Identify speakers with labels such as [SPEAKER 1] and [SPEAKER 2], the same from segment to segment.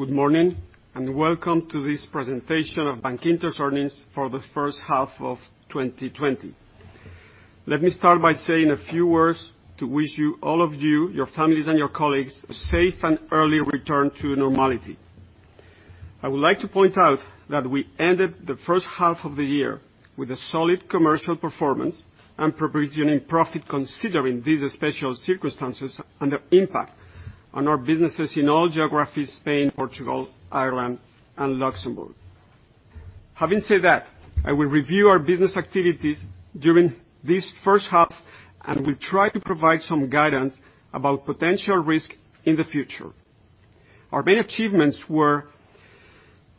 [SPEAKER 1] Good morning, welcome to this presentation of Bankinter's earnings for the first half of 2020. Let me start by saying a few words to wish all of you, your families, and your colleagues, a safe and early return to normality. I would like to point out that we ended the first half of the year with a solid commercial performance and provision in profit, considering these special circumstances and the impact on our businesses in all geographies, Spain, Portugal, Ireland, and Luxembourg. Having said that, I will review our business activities during this first half, will try to provide some guidance about potential risk in the future. Our main achievements were,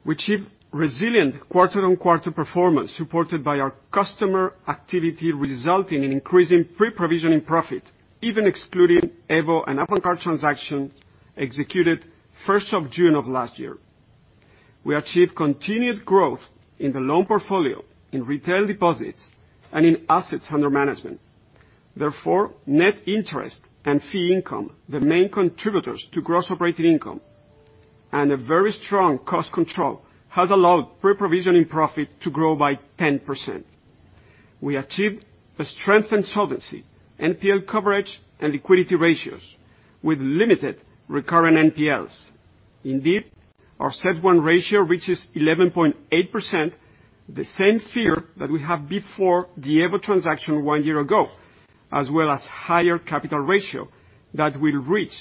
[SPEAKER 1] we achieved resilient quarter-on-quarter performance supported by our customer activity, resulting in increasing pre-provisioning profit, even excluding EVO and Avantcard transaction executed 1st of June of 2019. We achieved continued growth in the loan portfolio, in retail deposits, and in assets under management. Net interest and fee income, the main contributors to gross operating income, and a very strong cost control, has allowed pre-provisioning profit to grow by 10%. We achieved a strengthened solvency, NPL coverage, and liquidity ratios with limited recurrent NPLs. Our CET1 ratio reaches 11.8%, the same figure that we had before the EVO transaction one year ago, as well as higher capital ratio, that will reach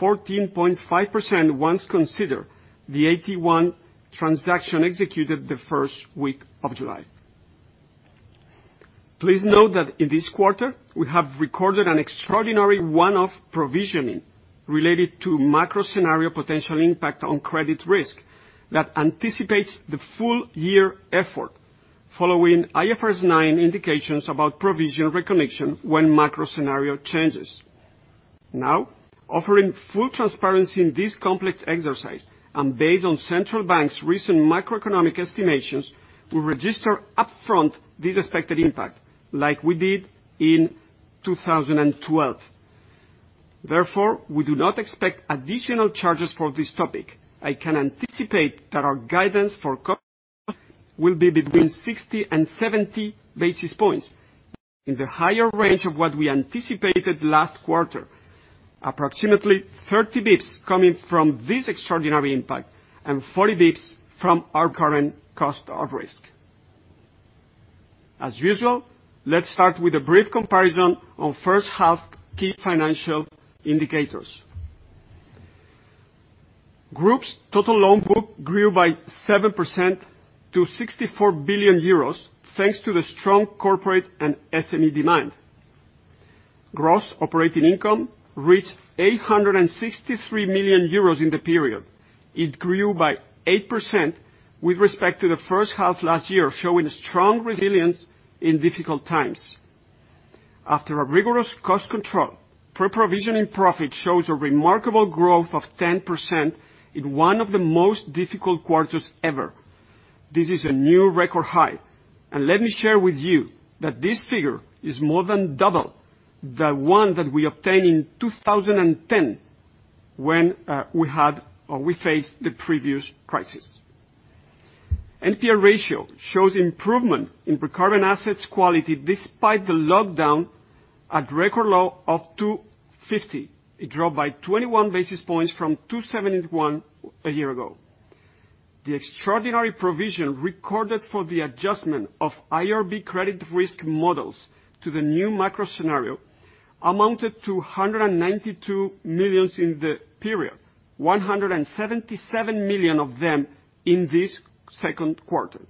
[SPEAKER 1] 14.5% once consider the AT1 transaction executed the first week of July. Please note that in this quarter, we have recorded an extraordinary one-off provisioning related to macro scenario potential impact on credit risk that anticipates the full year effort following IFRS 9 indications about provisional recognition when macro scenario changes. Now, offering full transparency in this complex exercise, and based on Central Bank's recent macroeconomic estimations, we register upfront this expected impact like we did in 2012. Therefore, we do not expect additional charges for this topic. I can anticipate that our guidance for cost will be between 60 and 70 basis points. In the higher range of what we anticipated last quarter, approximately 30 basis points coming from this extraordinary impact and 40 basis points from our current cost of risk. As usual, let's start with a brief comparison on first half key financial indicators. Group's total loan book grew by 7% to 64 billion euros, thanks to the strong corporate and SME demand. Gross operating income reached 863 million euros in the period. It grew by 8% with respect to the first half of last year, showing strong resilience in difficult times. After a rigorous cost control, pre-provisioning profit shows a remarkable growth of 10% in one of the most difficult quarters ever. This is a new record high. Let me share with you that this figure is more than double the one that we obtained in 2010 when we faced the previous crisis. NPL ratio shows improvement in recurrent assets quality despite the lockdown at record low of 250. It dropped by 21 basis points from 271 a year ago. The extraordinary provision recorded for the adjustment of IRB credit risk models to the new macro-scenario amounted to 192 million in the period, 177 million of them in this second quarter.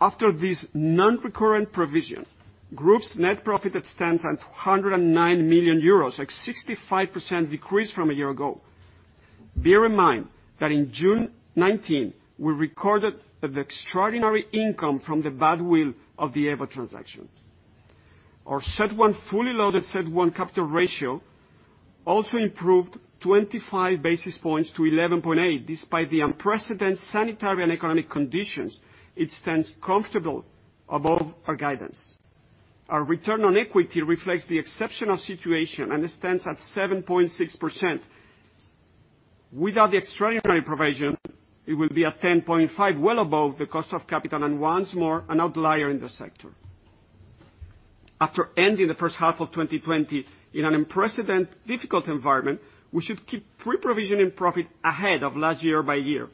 [SPEAKER 1] After this non-recurrent provision, group's net profit stands at 109 million euros, like 65% decrease from a year ago. Bear in mind that in June 2019, we recorded the extraordinary income from the badwill of the EVO transaction. Our fully loaded CET1 capital ratio also improved 25 basis points to 11.8% despite the unprecedented sanitary and economic conditions. It stands comfortable above our guidance. Our return on equity reflects the exceptional situation. It stands at 7.6%. Without the extraordinary provision, it will be at 10.5%, well above the cost of capital and once more, an outlier in the sector. After ending the first half of 2020 in an unprecedented difficult environment, we should keep pre-provision profit ahead of last year by year.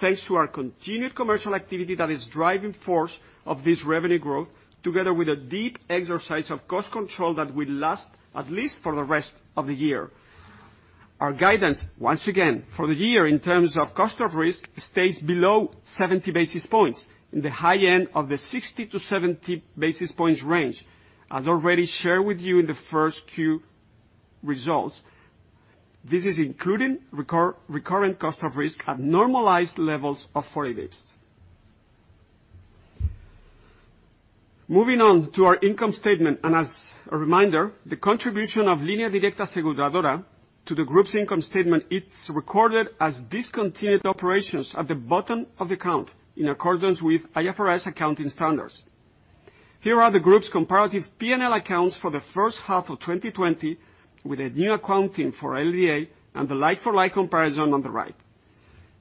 [SPEAKER 1] Thanks to our continued commercial activity that is driving force of this revenue growth, together with a deep exercise of cost control that will last at least for the rest of the year. Our guidance, once again, for the year in terms of cost of risk, stays below 70 basis points, in the high end of the 60-70 basis points range. As already shared with you in the first quarter results, this is including recurrent cost of risk at normalized levels of 40 basis points. Moving on to our income statement, and as a reminder, the contribution of Línea Directa Aseguradora to the group's income statement, it's recorded as discontinued operations at the bottom of the count, in accordance with IFRS accounting standards. Here are the group's comparative P&L accounts for the first half of 2020, with a new accounting for LDA and the like-for-like comparison on the right.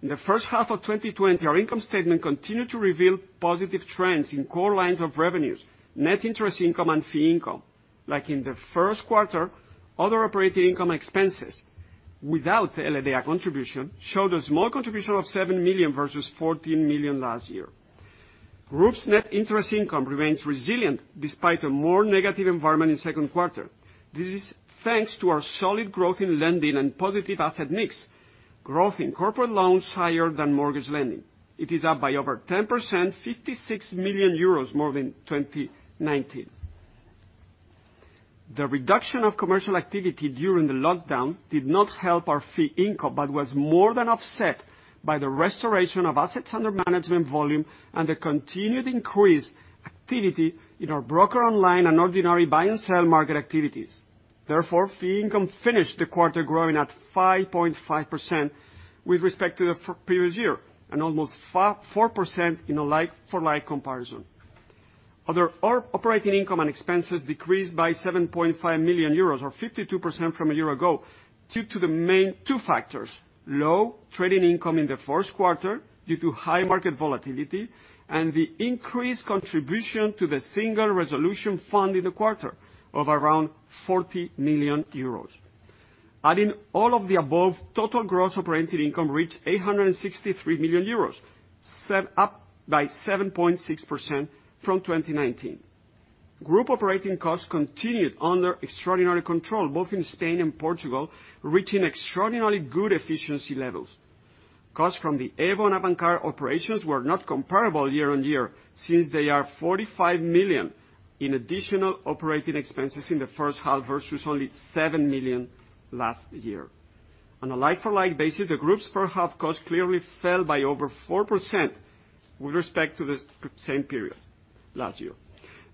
[SPEAKER 1] In the first half of 2020, our income statement continued to reveal positive trends in core lines of revenues, net interest income, and fee income. Like in the first quarter, other operating income expenses without the LDA contribution, showed a small contribution of 7 million versus 14 million last year. Group's net interest income remains resilient despite a more negative environment in second quarter. This is thanks to our solid growth in lending and positive asset mix. Growth in corporate loans higher than mortgage lending. It is up by over 10%, 56 million euros more than 2019. The reduction of commercial activity during the lockdown did not help our fee income, was more than offset by the restoration of assets under management volume and the continued increased activity in our broker online and ordinary buy and sell market activities. Fee income finished the quarter growing at 5.5% with respect to the previous year and almost 4% in a like-for-like comparison. Other operating income and expenses decreased by 7.5 million euros or 52% from a year ago, due to the main two factors: low trading income in the first quarter due to high market volatility and the increased contribution to the Single Resolution Fund in the quarter of around 40 million euros. Adding all of the above, total gross operating income reached 863 million euros, set up by 7.6% from 2019. Group operating costs continued under extraordinary control, both in Spain and Portugal, reaching extraordinarily good efficiency levels. Costs from the EVO and Avantcard operations were not comparable year-on-year since they are 45 million in additional operating expenses in the first half, versus only 7 million last year. On a like-for-like basis, the groups per half cost clearly fell by over 4% with respect to the same period last year.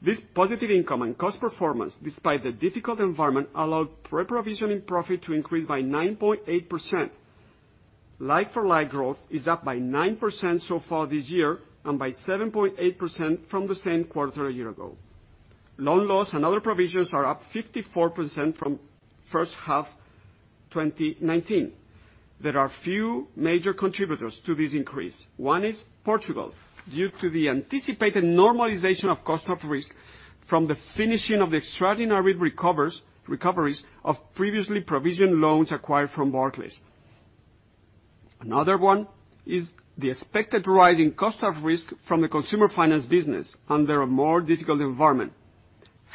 [SPEAKER 1] This positive income and cost performance, despite the difficult environment, allowed pre-provisioning profit to increase by 9.8%. Like-for-like growth is up by 9% so far this year and by 7.8% from the same quarter a year ago. Loan loss and other provisions are up 54% from first half 2019. There are few major contributors to this increase. One is Portugal, due to the anticipated normalization of cost of risk from the finishing of the extraordinary recoveries of previously provisioned loans acquired from Barclays. Another one is the expected rise in cost of risk from the consumer finance business under a more difficult environment.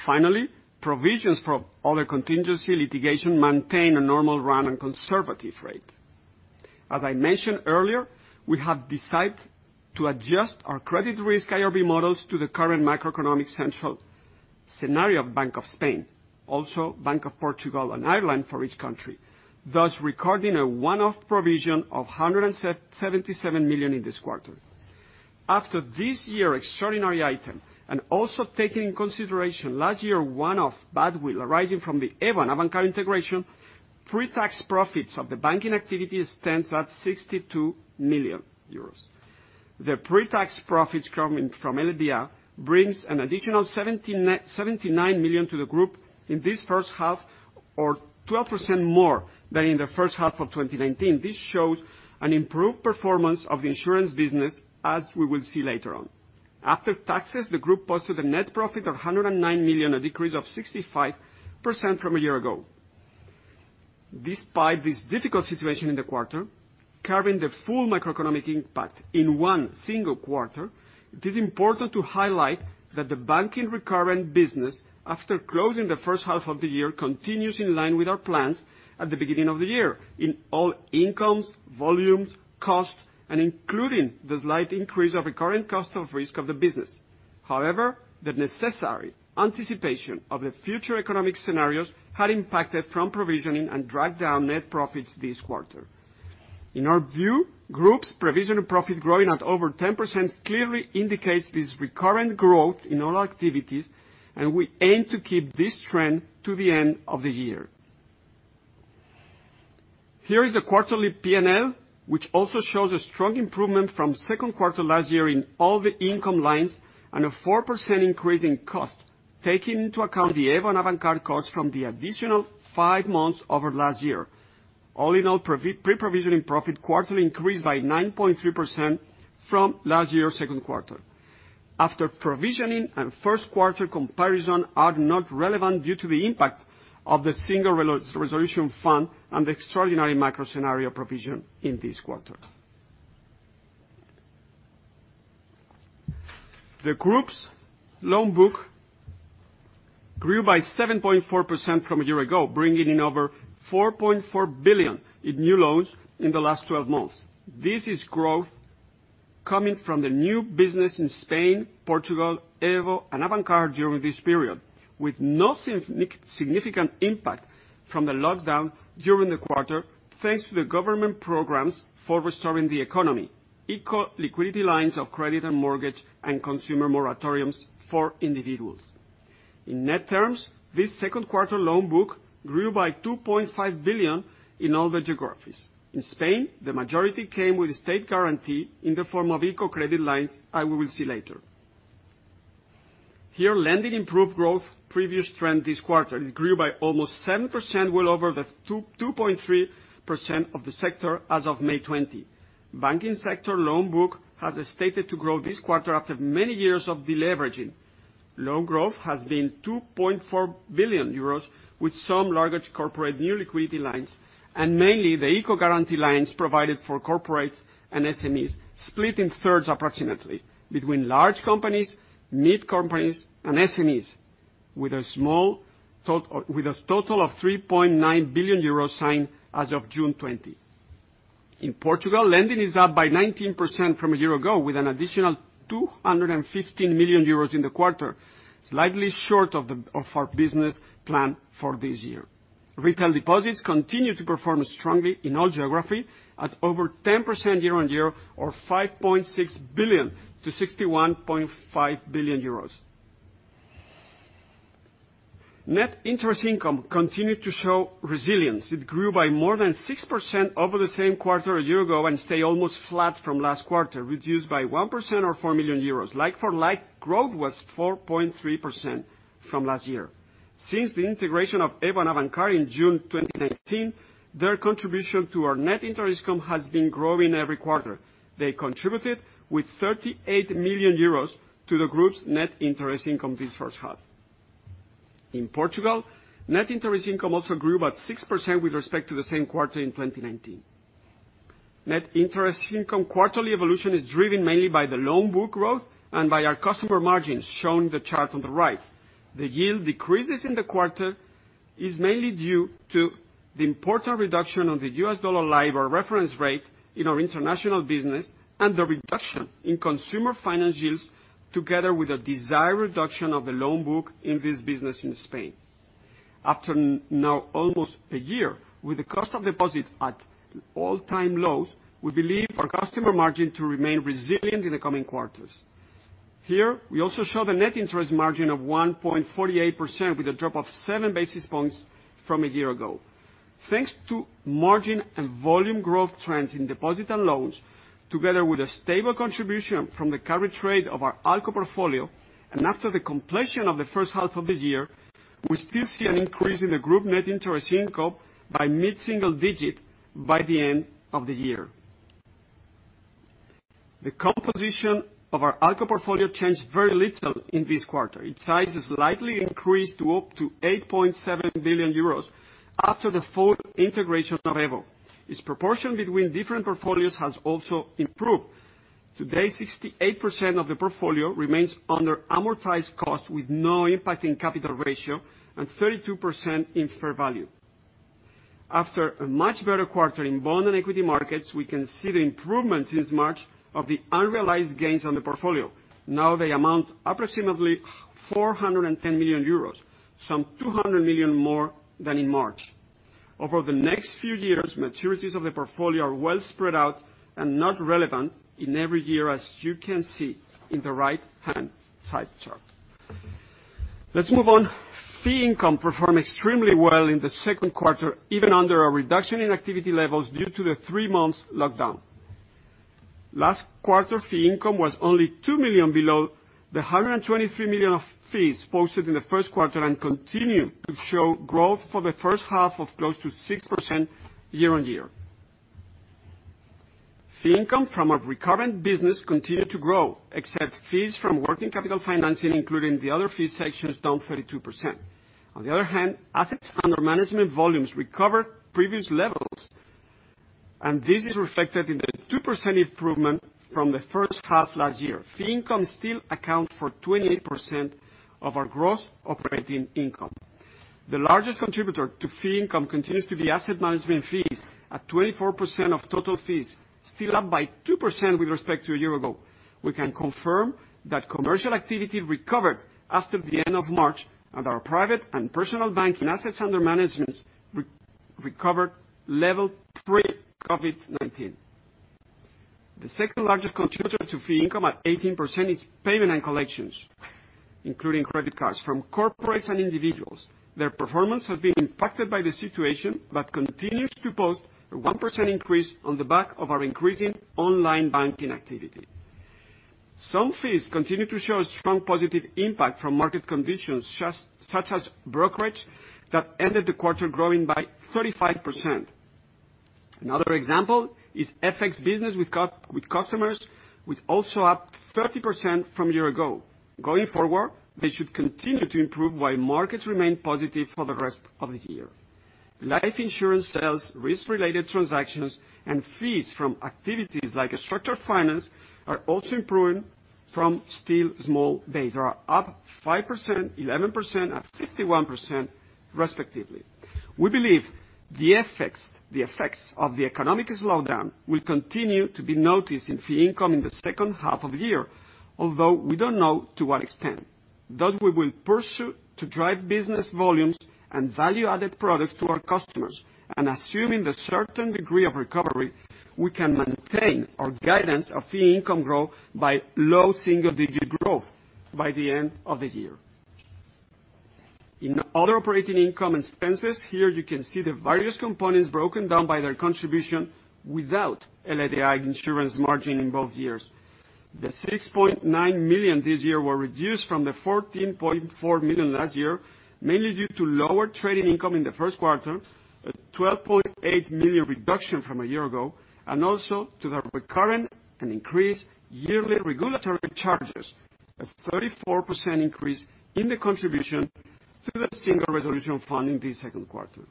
[SPEAKER 1] Finally, provisions for other contingency litigation maintain a normal run and conservative rate. As I mentioned earlier, we have decided to adjust our credit risk IRB models to the current macroeconomic central scenario of Bank of Spain, also Bank of Portugal and Ireland for each country, thus recording a one-off provision of 177 million in this quarter. After this year extraordinary item, and also taking into consideration last year one-off bad will arising from the EVO and Avantcard integration, pre-tax profits of the banking activity stands at 62 million euros. The pre-tax profits coming from LDA brings an additional 79 million to the group in this first half, or 12% more than in the first half of 2019. This shows an improved performance of the insurance business, as we will see later on. After taxes, the group posted a net profit of 109 million, a decrease of 65% from a year ago. Despite this difficult situation in the quarter, covering the full macroeconomic impact in one single quarter, it is important to highlight that the banking recurrent business, after closing the first half of the year, continues in line with our plans at the beginning of the year in all incomes, volumes, costs, and including the slight increase of recurrent cost of risk of the business. The necessary anticipation of the future economic scenarios had impacted from provisioning and dragged down net profits this quarter. In our view, group's provision and profit growing at over 10% clearly indicates this recurrent growth in all activities, and we aim to keep this trend to the end of the year. Here is the quarterly P&L, which also shows a strong improvement from second quarter last year in all the income lines and a 4% increase in cost, taking into account the EVO and Avantcard costs from the additional five months over last year. All in all, pre-provisioning profit quarterly increased by 9.3% from last year second quarter. After provisioning and first quarter comparison are not relevant due to the impact of the Single Resolution Fund and the extraordinary macro scenario provision in this quarter. The group's loan book grew by 7.4% from a year ago, bringing in over 4.4 billion in new loans in the last 12 months. This is growth coming from the new business in Spain, Portugal, EVO, and Avantcard during this period, with no significant impact from the lockdown during the quarter, thanks to the government programs for restoring the economy, ICO liquidity lines of credit and mortgage, and consumer moratoriums for individuals. In net terms, this second quarter loan book grew by 2.5 billion in all the geographies. In Spain, the majority came with a state guarantee in the form of ICO credit lines, and we will see later. Here, lending improved growth previous trend this quarter. It grew by almost 7%, well over the 2.3% of the sector as of May 20. Banking sector loan book has started to grow this quarter after many years of deleveraging. Loan growth has been 2.4 billion euros, with some large corporate new liquidity lines, and mainly the ICO guarantee lines provided for corporates and SMEs, split in thirds approximately between large companies, mid companies, and SMEs, with a total of 3.9 billion euros signed as of June 20. In Portugal, lending is up by 19% from a year ago, with an additional 215 million euros in the quarter, slightly short of our business plan for this year. Retail deposits continue to perform strongly in all geography at over 10% year-on-year or 5.6 billion to 61.5 billion euros. Net interest income continued to show resilience. It grew by more than 6% over the same quarter a year ago and stay almost flat from last quarter, reduced by 1% or 4 million euros. Like for like, growth was 4.3% from last year. Since the integration of EVO and Avantcard in June 2019, their contribution to our net interest income has been growing every quarter. They contributed with 38 million euros to the group's net interest income this first half. In Portugal, net interest income also grew about 6% with respect to the same quarter in 2019. Net interest income quarterly evolution is driven mainly by the loan book growth and by our customer margins, shown in the chart on the right. The yield decreases in the quarter is mainly due to the important reduction on the US dollar LIBOR reference rate in our international business and the reduction in consumer finance yields, together with a desired reduction of the loan book in this business in Spain. After now almost a year with the cost of deposit at all-time lows, we believe our customer margin to remain resilient in the coming quarters. Here, we also show the net interest margin of 1.48% with a drop of 7 basis points from a year ago. Thanks to margin and volume growth trends in deposit and loans, together with a stable contribution from the carry trade of our ALCO portfolio, after the completion of the first half of the year, we still see an increase in the group net interest income by mid-single digit by the end of the year. The composition of our ALCO portfolio changed very little in this quarter. Its size slightly increased to up to 8.7 billion euros after the full integration of EVO. Its proportion between different portfolios has also improved. Today, 68% of the portfolio remains under amortized cost with no impact in capital ratio and 32% in fair value. After a much better quarter in bond and equity markets, we can see the improvements since March of the unrealized gains on the portfolio. Now they amount approximately 410 million euros, some 200 million more than in March. Over the next few years, maturities of the portfolio are well spread out and not relevant in every year, as you can see in the right-hand side chart. Let's move on. Fee income performed extremely well in the second quarter, even under a reduction in activity levels due to the three months lockdown. Last quarter, fee income was only 2 million below the 123 million of fees posted in the first quarter and continued to show growth for the first half of close to 6% year-on-year. Fee income from our recurrent business continued to grow, except fees from working capital financing, including the other fee sections, down 32%. On the other hand, assets under management volumes recovered previous levels, and this is reflected in the 2% improvement from the first half last year. Fee income still accounts for 28% of our gross operating income. The largest contributor to fee income continues to be asset management fees at 24% of total fees, still up by 2% with respect to a year ago. We can confirm that commercial activity recovered after the end of March and our private and personal banking assets under management recovered level pre-COVID-19. The second largest contributor to fee income at 18% is payment and collections, including credit cards from corporates and individuals. Their performance has been impacted by the situation but continues to post a 1% increase on the back of our increasing online banking activity. Some fees continue to show a strong positive impact from market conditions, such as brokerage, that ended the quarter growing by 35%. Another example is FX business with customers, with also up 30% from a year ago. Going forward, they should continue to improve while markets remain positive for the rest of the year. Life insurance sales, risk-related transactions, and fees from activities like structured finance are also improving from still small base. They are up 5%, 11%, and 51% respectively. We believe the effects of the economic slowdown will continue to be noticed in fee income in the second half of the year, although we don't know to what extent. We will pursue to drive business volumes and value-added products to our customers, assuming the certain degree of recovery, we can maintain our guidance of fee income growth by low single-digit growth by the end of the year. In other operating income expenses, here you can see the various components broken down by their contribution without LDA insurance margin in both years. The 6.9 million this year were reduced from the 14.4 million last year, mainly due to lower trading income in the first quarter, a 12.8 million reduction from a year ago, and also to the recurrent and increased yearly regulatory charges, a 34% increase in the contribution to the Single Resolution Fund in the second quarter.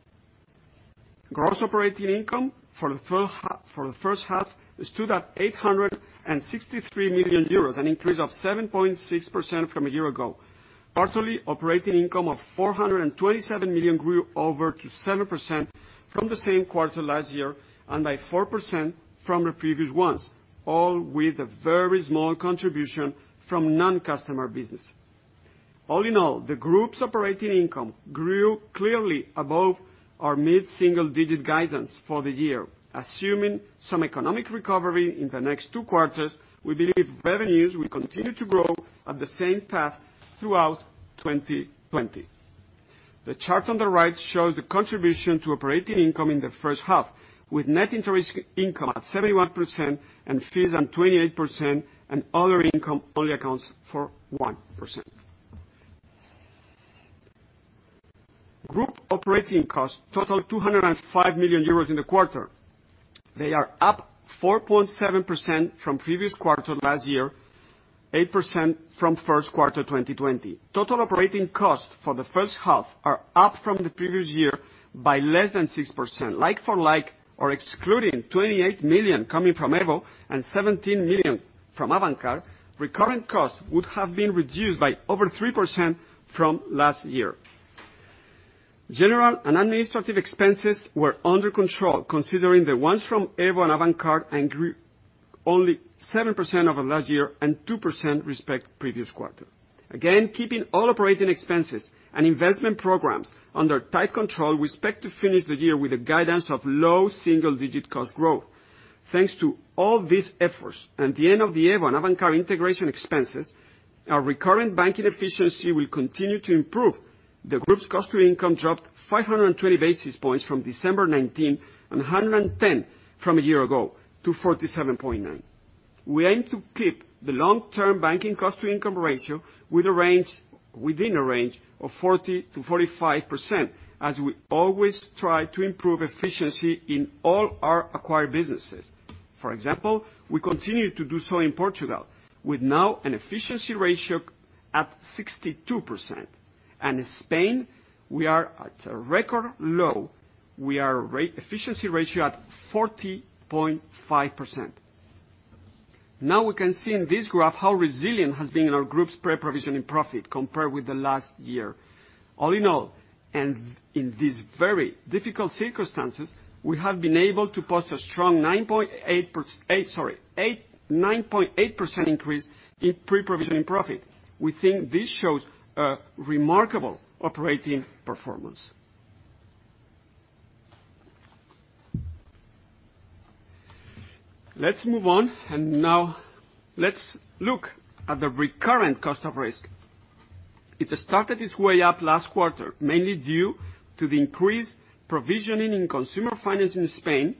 [SPEAKER 1] Gross operating income for the first half stood at 863 million euros, an increase of 7.6% from a year ago. Quarterly operating income of 427 million grew over to 7% from the same quarter last year, and by 4% from the previous ones, all with a very small contribution from non-customer business. All in all, the group's operating income grew clearly above our mid-single-digit guidance for the year. Assuming some economic recovery in the next two quarters, we believe revenues will continue to grow at the same path throughout 2020. The chart on the right shows the contribution to operating income in the first half, with net interest income at 71% and fees on 28%, and other income only accounts for 1%. Group operating costs totaled 205 million euros in the quarter. They are up 4.7% from previous quarter last year, 8% from first quarter 2020. Total operating costs for the first half are up from the previous year by less than 6%. Like for like, or excluding 28 million coming from EVO and 17 million from Avantcard, recurrent costs would have been reduced by over 3% from last year. General and administrative expenses were under control, considering the ones from EVO and Avantcard, grew only 7% over last year and 2% respect to previous quarter. Again, keeping all operating expenses and investment programs under tight control, we expect to finish the year with a guidance of low single-digit cost growth. Thanks to all these efforts and the end of the EVO and Avantcard integration expenses, our recurrent banking efficiency will continue to improve. The group's cost to income dropped 520 basis points from December 2019, and 110 basis points from a year ago to 47.9%. We aim to keep the long-term banking cost to income ratio within a range of 40%-45%, as we always try to improve efficiency in all our acquired businesses. For example, we continue to do so in Portugal, with now an efficiency ratio at 62%. In Spain, we are at a record low. We are efficiency ratio at 40.5%. We can see in this graph how resilient has been our group's pre-provisioning profit compared with the last year. All in all, and in these very difficult circumstances, we have been able to post a strong 9.8% increase in pre-provisioning profit. We think this shows a remarkable operating performance. Let's move on. Now let's look at the recurrent cost of risk. It started its way up last quarter, mainly due to the increased provisioning in consumer finance in Spain,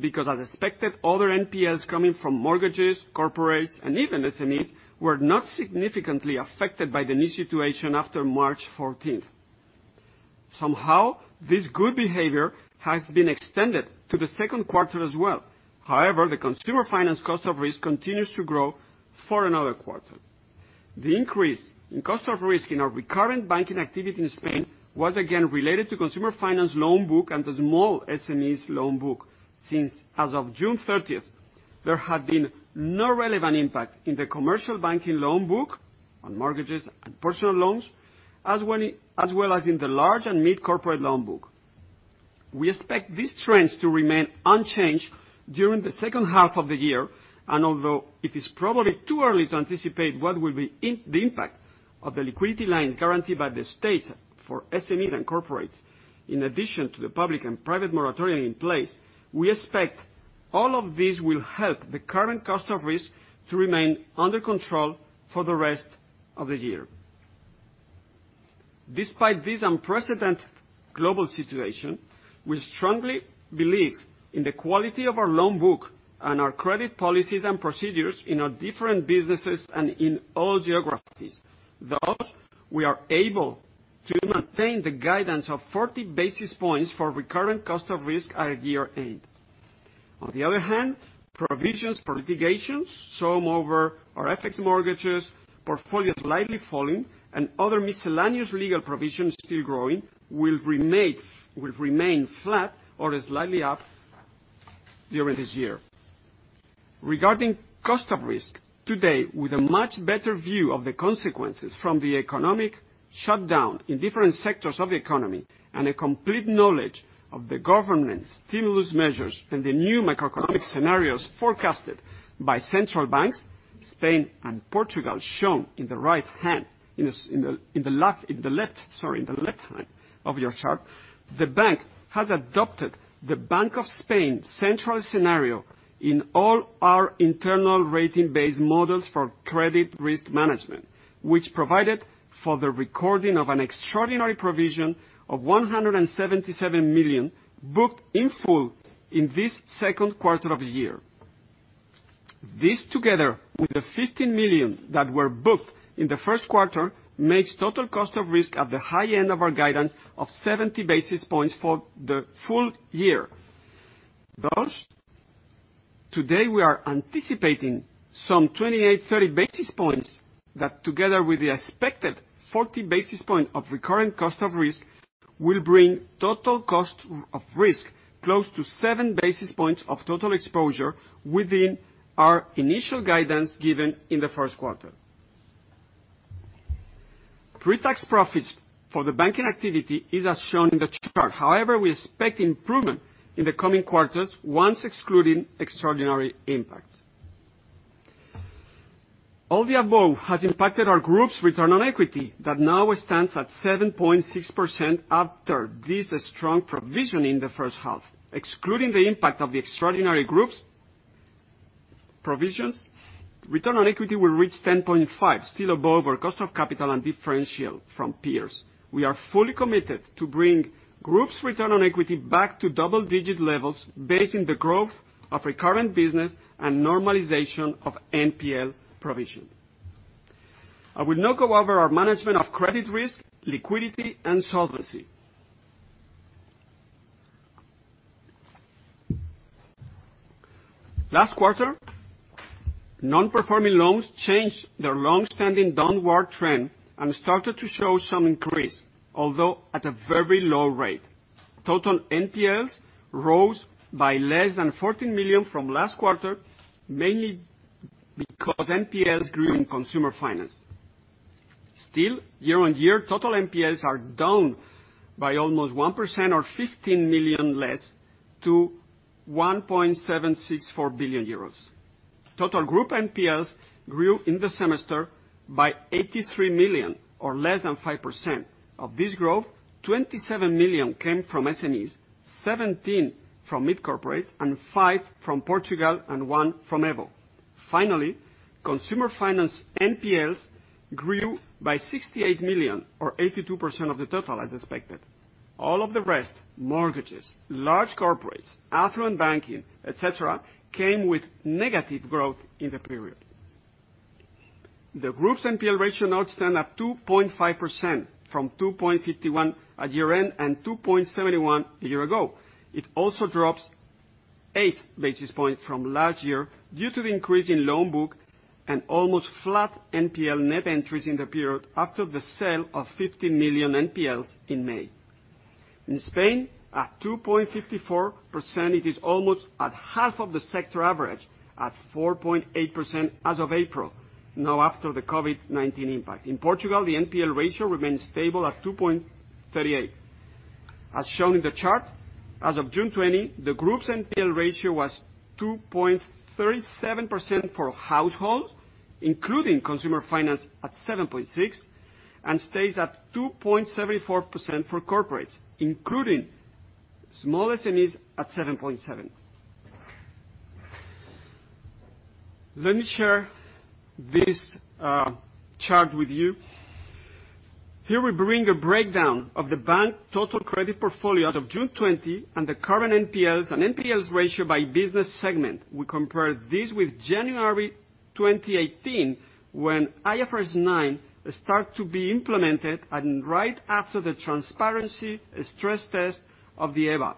[SPEAKER 1] because as expected, other NPLs coming from mortgages, corporates, and even SMEs were not significantly affected by the new situation after March 14th. Somehow, this good behavior has been extended to the second quarter as well. However, the consumer finance cost of risk continues to grow for another quarter. The increase in cost of risk in our recurrent banking activity in Spain was again related to consumer finance loan book and the small SMEs loan book, since as of June 30th, there had been no relevant impact in the commercial banking loan book on mortgages and personal loans, as well as in the large and mid-corporate loan book. We expect these trends to remain unchanged during the second half of the year, and although it is probably too early to anticipate what will be the impact of the liquidity lines guaranteed by the state for SMEs and corporates, in addition to the public and private moratorium in place, we expect all of this will help the current cost of risk to remain under control for the rest of the year. Despite this unprecedented global situation, we strongly believe in the quality of our loan book and our credit policies and procedures in our different businesses and in all geographies. Thus, we are able to maintain the guidance of 40 basis points for recurrent cost of risk at year-end. On the other hand, provisions for litigations, some over our FX mortgages, portfolio slightly falling, and other miscellaneous legal provisions still growing, will remain flat or slightly up during this year. Regarding cost of risk, today with a much better view of the consequences from the economic shutdown in different sectors of the economy and a complete knowledge of the government stimulus measures and the new macroeconomic scenarios forecasted by central banks, Spain and Portugal shown in the left of your chart. The bank has adopted the Bank of Spain central scenario in all our internal rating-based models for credit risk management, which provided for the recording of an extraordinary provision of 177 million, booked in full in this second quarter of the year. This, together with the 15 million that were booked in the first quarter, makes total cost of risk at the high end of our guidance of 70 basis points for the full year. Today we are anticipating some 28-30 basis points that, together with the expected 40 basis point of recurrent cost of risk, will bring total cost of risk close to 7 basis points of total exposure within our initial guidance given in the first quarter. Pre-tax profits for the banking activity is as shown in the chart. We expect improvement in the coming quarters once excluding extraordinary impacts. All the above has impacted our group's return on equity, that now stands at 7.6% after this strong provision in the first half. Excluding the impact of the extraordinary group's provisions, return on equity will reach 10.5%, still above our cost of capital and differential from peers. We are fully committed to bring group's return on equity back to double-digit levels based on the growth of recurrent business and normalization of NPL provision. I will now go over our management of credit risk, liquidity, and solvency. Last quarter, non-performing loans changed their long-standing downward trend and started to show some increase, although at a very low rate. Total NPLs rose by less than 14 million from last quarter, mainly because NPLs grew in Consumer Finance. Still, year-over-year, total NPLs are down by almost 1% or 15 million less to 1.764 billion euros. Total group NPLs grew in the semester by 83 million, or less than 5%. Of this growth, 27 million came from SMEs, 17 million from mid-corporates, and 5 million from Portugal and 1 million from EVO. Finally, Consumer Finance NPLs grew by 68 million, or 82% of the total as expected. All of the rest, mortgages, large corporates, affluent banking, et cetera, came with negative growth in the period. The group's NPL ratio now stands at 2.5% from 2.51% at year-end and 2.71% a year ago. It also drops 8 basis points from last year due to the increase in loan book and almost flat NPL net entries in the period after the sale of 50 million NPLs in May. In Spain, at 2.54%, it is almost at half of the sector average at 4.8% as of April, now after the COVID-19 impact. In Portugal, the NPL ratio remains stable at 2.38%. As shown in the chart, as of June 20, the group's NPL ratio was 2.37% for households, including consumer finance at 7.6%, and stays at 2.74% for corporates, including small SMEs at 7.7%. Let me share this chart with you. Here we bring a breakdown of the bank total credit portfolio as of June 2020 and the current NPLs and NPLs ratio by business segment. We compare this with January 2018, when IFRS 9 started to be implemented and right after the transparency stress test of the EBA.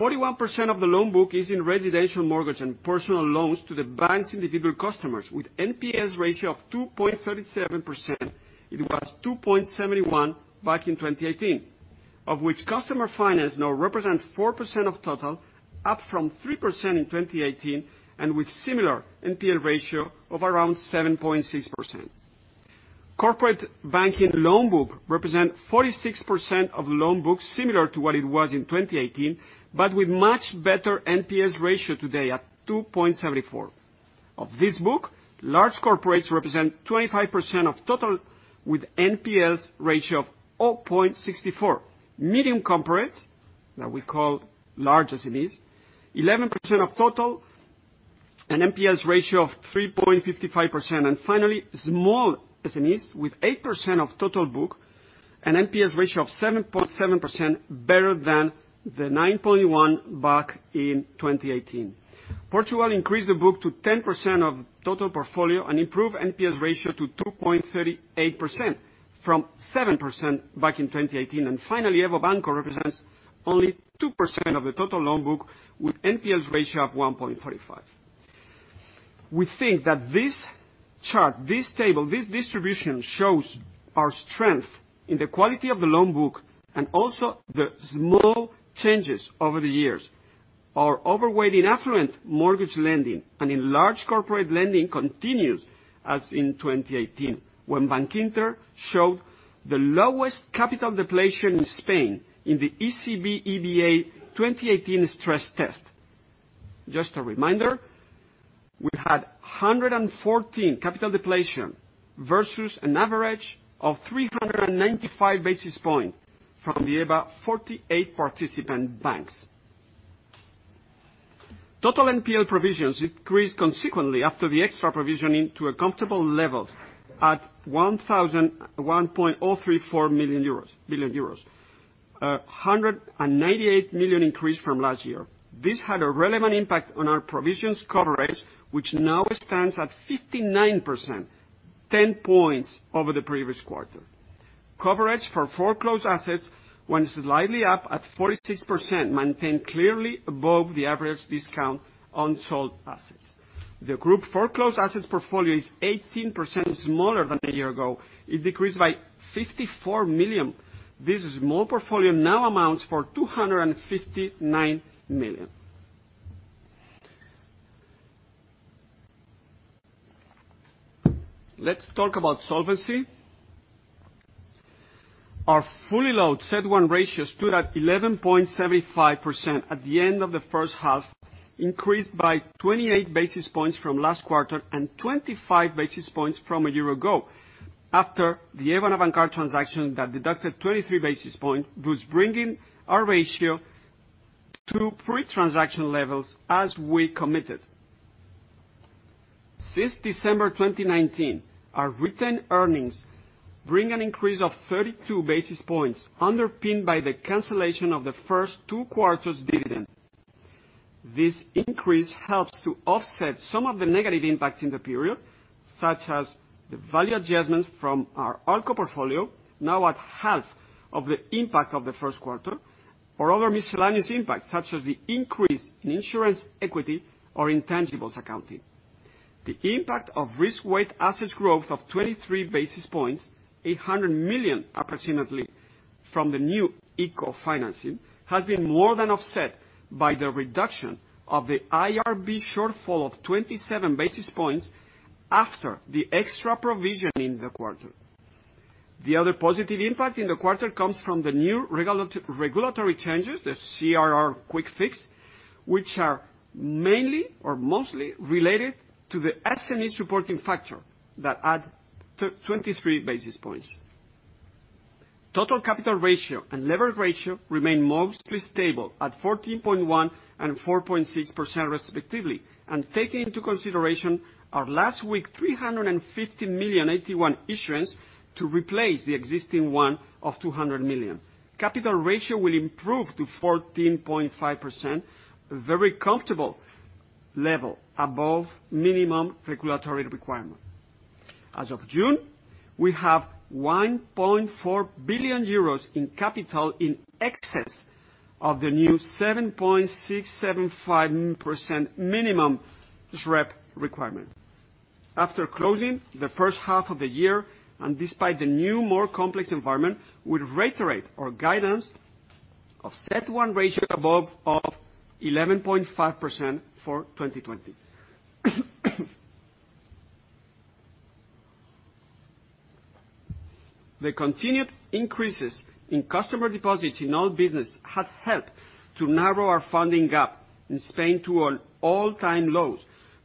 [SPEAKER 1] 41% of the loan book is in residential mortgage and personal loans to the bank's individual customers with NPL's ratio of 2.37%. It was 2.71% back in 2018, of which customer finance now represents 4% of total, up from 3% in 2018, and with similar NPL ratio of around 7.6%. Corporate banking loan book represent 46% of loan books similar to what it was in 2018, but with much better NPL's ratio today at 2.74%. Of this book, large corporates represent 25% of total with NPL's ratio of 0.64%. Medium corporates, that we call large SMEs, 11% of total, an NPL ratio of 3.55%. Finally, small SMEs with 8% of total book, an NPL ratio of 7.7%, better than the 9.1% back in 2018. Portugal increased the book to 10% of total portfolio and improved NPL ratio to 2.38% from 7% back in 2018. Finally, EVO Banco represents only 2% of the total loan book with NPL ratio of 1.35%. We think that this chart, this table, this distribution shows our strength in the quality of the loan book and also the small changes over the years. Our overweight in affluent mortgage lending and in large corporate lending continues as in 2018, when Bankinter showed the lowest capital depletion in Spain in the ECB EBA 2018 stress test. Just a reminder, we had 114 capital depletion versus an average of 395 basis points from the EBA 48 participant banks. Total NPL provisions increased consequently after the extra provisioning to a comfortable level at 1,034 million euros. 198 million euros increase from last year. This had a relevant impact on our provisions coverage, which now stands at 59%, 10 points over the previous quarter. Coverage for foreclosed assets went slightly up at 46%, maintained clearly above the average discount on sold assets. The group foreclosed assets portfolio is 18% smaller than a year ago. It decreased by 54 million. This small portfolio now amounts for 259 million. Let's talk about solvency. Our fully loaded CET1 ratio stood at 11.75% at the end of the first half, increased by 28 basis points from last quarter and 25 basis points from a year ago. After the EVO and Avantcard transaction that deducted 23 basis points, was bringing our ratio to pre-transaction levels as we committed. Since December 2019, our retained earnings bring an increase of 32 basis points, underpinned by the cancellation of the first two quarters dividend. This increase helps to offset some of the negative impacts in the period, such as the value adjustments from our ALCO portfolio, now at half of the impact of the first quarter, or other miscellaneous impacts, such as the increase in insurance equity or intangibles accounting. The impact of risk-weighted assets growth of 23 basis points, 800 million approximately from the new ICO financing, has been more than offset by the reduction of the IRB shortfall of 27 basis points after the extra provision in the quarter. The other positive impact in the quarter comes from the new regulatory changes, the CRR quick fix, which are mainly or mostly related to the SME supporting factor that add 23 basis points. Total capital ratio and levered ratio remain mostly stable at 14.1% and 4.6% respectively. Taking into consideration our last week 350,000,081 issuance to replace the existing one of 200 million. Capital ratio will improve to 14.5%, a very comfortable level above minimum regulatory requirement. As of June, we have 1.4 billion euros in capital in excess of the new 7.675% minimum SREP requirement. After closing the first half of the year, and despite the new, more complex environment, we reiterate our guidance of CET1 ratio above 11.5% for 2020. The continued increases in customer deposits in all business have helped to narrow our funding gap in Spain to an all-time low,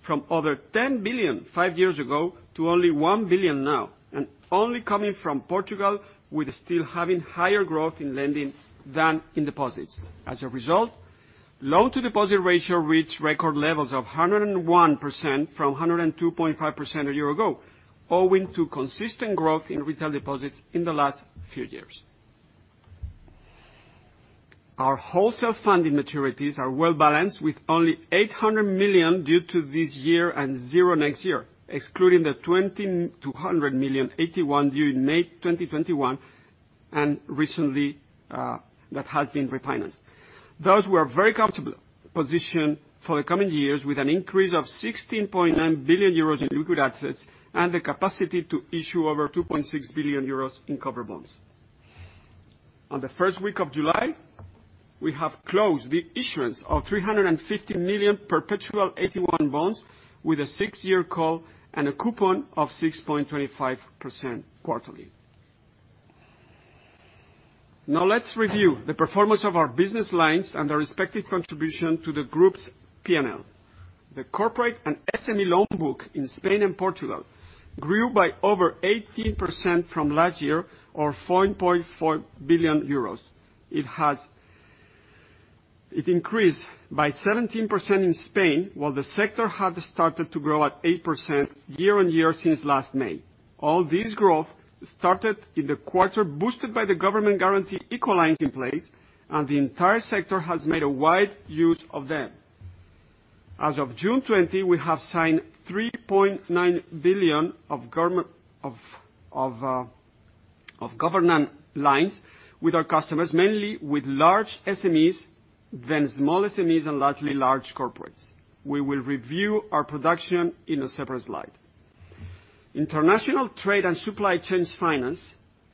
[SPEAKER 1] from over 10 billion five years ago to only 1 billion now, and only coming from Portugal, with still having higher growth in lending than in deposits. As a result, loan-to-deposit ratio reached record levels of 101% from 102.5% a year ago, owing to consistent growth in retail deposits in the last few years. Our wholesale funding maturities are well-balanced with only 800 million due to this year and zero next year, excluding the 2,200 million AT1 due in May 2021, and recently that has been refinanced. We're very comfortable position for the coming years with an increase of 16.9 billion euros in liquid assets and the capacity to issue over 2.6 billion euros in cover bonds. On the first week of July, we have closed the issuance of 350 million perpetual AT1 bonds with a six-year call and a coupon of 6.25% quarterly. Let's review the performance of our business lines and their respective contribution to the group's P&L. The corporate and SME loan book in Spain and Portugal grew by over 18% from last year or 4.4 billion euros. It increased by 17% in Spain, while the sector had started to grow at 8% year-on-year since last May. All this growth started in the quarter boosted by the government guarantee ICO lines in place, the entire sector has made a wide use of them. As of June 20, we have signed 3.9 billion of government lines with our customers, mainly with large SMEs, small SMEs, and lastly, large corporates. We will review our production in a separate slide. International trade and supply chains finance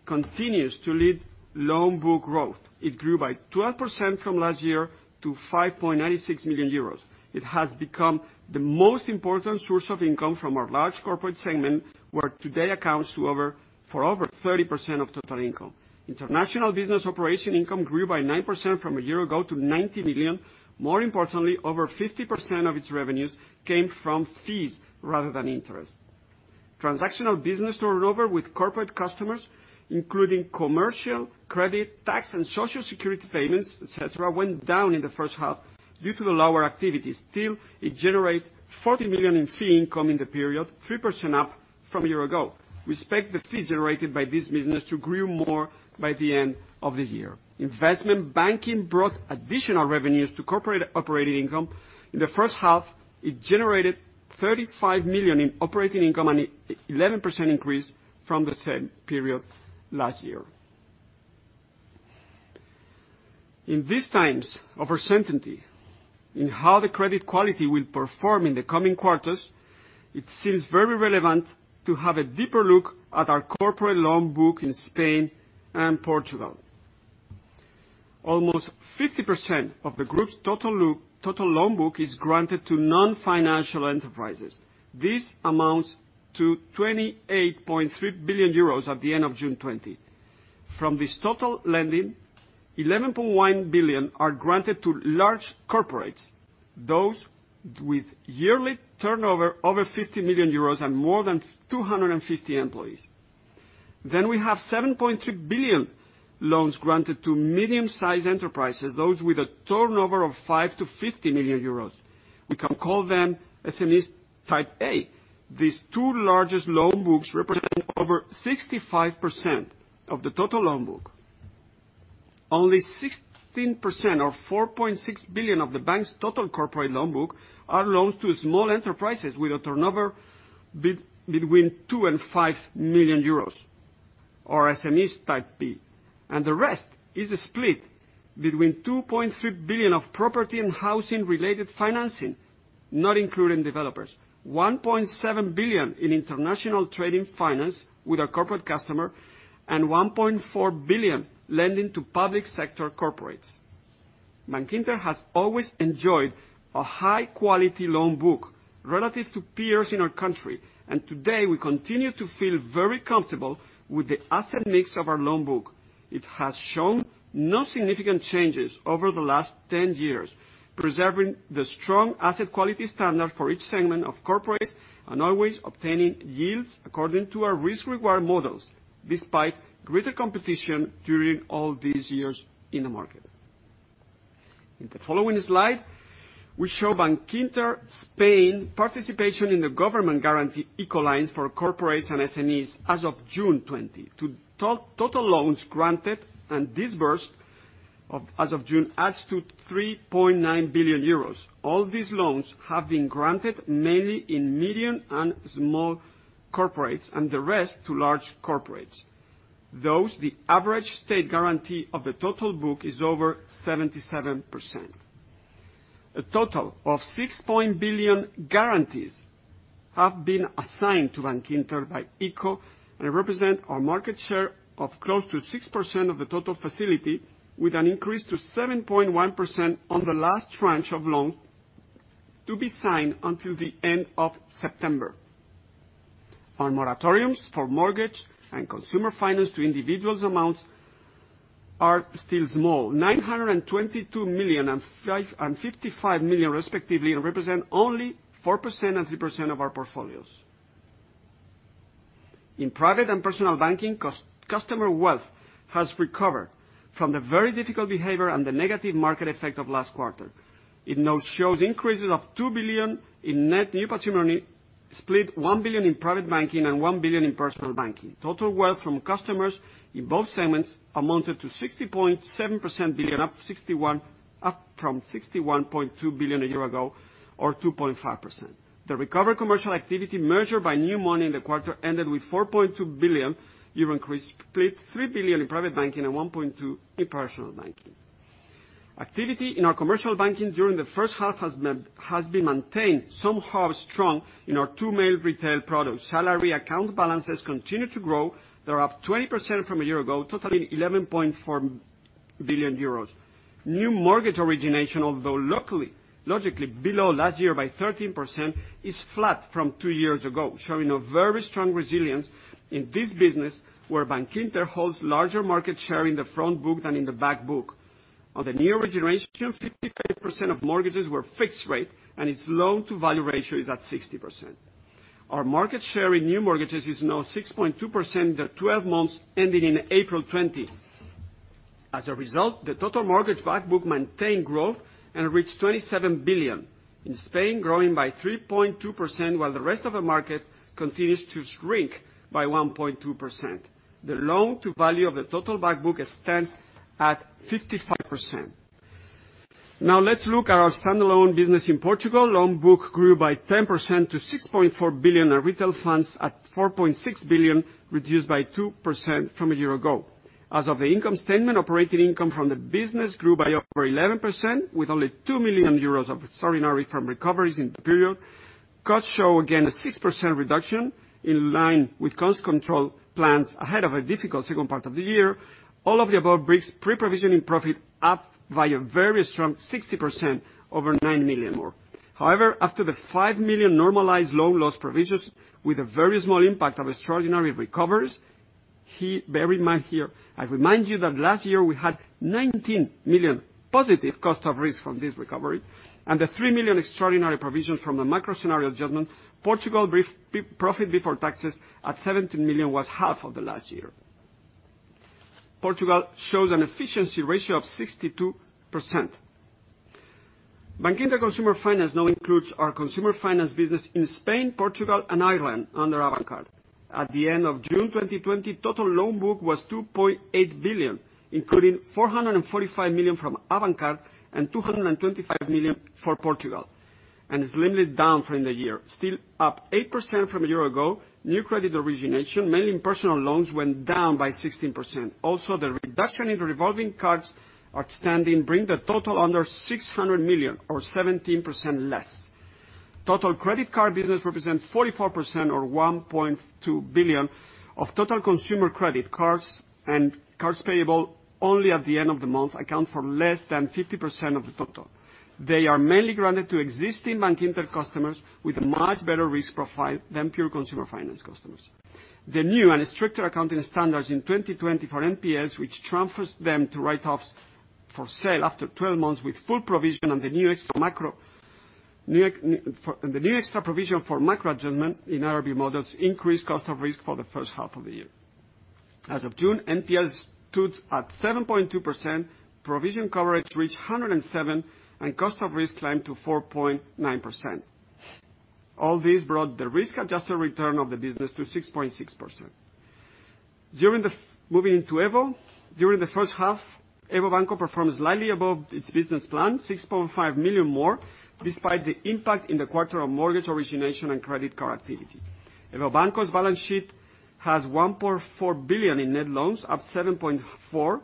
[SPEAKER 1] continues to lead loan book growth. It grew by 12% from last year to 5.96 million euros. It has become the most important source of income from our large corporate segment, where today accounts for over 30% of total income. International business operation income grew by 9% from a year ago to 90 million. More importantly, over 50% of its revenues came from fees rather than interest. Transactional business turnover with corporate customers, including commercial credit, tax and Social Security payments, et cetera, went down in the first half due to the lower activity. Still, it generate 40 million in fee income in the period, 3% up from a year ago. We expect the fees generated by this business to grow more by the end of the year. Investment banking brought additional revenues to corporate operating income. In the first half, it generated 35 million in operating income, an 11% increase from the same period last year. In these times of uncertainty in how the credit quality will perform in the coming quarters, it seems very relevant to have a deeper look at our corporate loan book in Spain and Portugal. Almost 50% of the group's total loan book is granted to non-financial enterprises. This amounts to 28.3 billion euros at the end of June 2020. From this total lending, 11.1 billion are granted to large corporates, those with yearly turnover over 50 million euros and more than 250 employees. We have 7.3 billion loans granted to medium-sized enterprises, those with a turnover of 5 million-50 million euros. We can call them SMEs type A. These two largest loan books represent over 65% of the total loan book. Only 16%, or 4.6 billion of the bank's total corporate loan book, are loans to small enterprises with a turnover between 2 million and 5 million euros, or SMEs type B. The rest is split between 2.3 billion of property and housing-related financing, not including developers, 1.7 billion in international trade in finance with our corporate customer and 1.4 billion lending to public sector corporates. Bankinter has always enjoyed a high quality loan book relative to peers in our country, and today we continue to feel very comfortable with the asset mix of our loan book. It has shown no significant changes over the last 10 years, preserving the strong asset quality standard for each segment of corporates and always obtaining yields according to our risk-reward models, despite greater competition during all these years in the market. In the following slide, we show Bankinter Spain participation in the government guarantee ICO lines for corporates and SMEs as of June 20. Total loans granted and disbursed as of June adds to 3.9 billion euros. All these loans have been granted mainly in medium and small corporates and the rest to large corporates. Thus, the average state guarantee of the total book is over 77%. A total of 6 billion guarantees have been assigned to Bankinter by ICO, and represent our market share of close to 6% of the total facility, with an increase to 7.1% on the last tranche of loan to be signed until the end of September. Our moratoriums for mortgage and consumer finance to individuals amounts are still small, 922 million and 55 million respectively, and represent only 4% and 3% of our portfolios. In private and personal banking, customer wealth has recovered from the very difficult behavior and the negative market effect of last quarter. It now shows increases of 2 billion in net new patrimony, split 1 billion in private banking and 1 billion in personal banking. Total wealth from customers in both segments amounted to EUR 60.7% billion, up from 61.2 billion a year ago, or 2.5%. The recovered commercial activity measured by new money in the quarter ended with 4.2 billion euro, split 3 billion in private banking and 1.2 in personal banking. Activity in our commercial banking during the first half has been maintained somehow strong in our two main retail products. Salary account balances continue to grow. They're up 20% from a year ago, totaling 11.4 billion euros. New mortgage origination, although logically below last year by 13%, is flat from two years ago, showing a very strong resilience in this business where Bankinter holds larger market share in the front book than in the back book. On the new origination, 55% of mortgages were fixed rate, and its loan-to-value ratio is at 60%. Our market share in new mortgages is now 6.2% in the 12 months ending in April 20. The total mortgage back book maintained growth and reached 27 billion in Spain, growing by 3.2%, while the rest of the market continues to shrink by 1.2%. The loan-to-value of the total back book stands at 55%. Let's look at our standalone business in Portugal. Loan book grew by 10% to 6.4 billion in retail funds at 4.6 billion, reduced by 2% from a year ago. The income statement, operating income from the business grew by over 11% with only 2 million euros of extraordinary firm recoveries in the period. Costs show again a 6% reduction in line with cost control plans ahead of a difficult second part of the year. All of the above brings pre-provisioning profit up by a very strong 60%, over 9 million more. After the 5 million normalized loan loss provisions with a very small impact of extraordinary recoveries. Bear in mind here, I remind you that last year we had 19 million positive cost of risk from this recovery and the 3 million extraordinary provisions from the micro-scenario adjustment. Portugal profit before taxes at 17 million was half of the last year. Portugal shows an efficiency ratio of 62%. Bankinter Consumer Finance now includes our consumer finance business in Spain, Portugal, and Ireland under Avantcard. At the end of June 2020, total loan book was 2.8 billion, including 445 million from Avantcard and 225 million for Portugal, and is slightly down from the year. Still up 8% from a year ago. New credit origination, mainly in personal loans, went down by 16%. The reduction in revolving cards outstanding bring the total under 600 million or 17% less. Total credit card business represents 44% or 1.2 billion of total consumer credit. Cards and cards payable only at the end of the month account for less than 50% of the total. They are mainly granted to existing Bankinter customers with a much better risk profile than pure consumer finance customers. The new and stricter accounting standards in 2020 for NPLs, which transfers them to write-offs for sale after 12 months with full provision and the new extra provision for macro adjustment in IRB models increased cost of risk for the first half of the year. As of June, NPLs stood at 7.2%, provision coverage reached 107%, and cost of risk climbed to 4.9%. All this brought the risk-adjusted return of the business to 6.6%. Moving to EVO. During the first half, EVO Banco performed slightly above its business plan, 6.5 million more, despite the impact in the quarter on mortgage origination and credit card activity. EVO Banco's balance sheet has 1.4 billion in net loans, up 7.4%.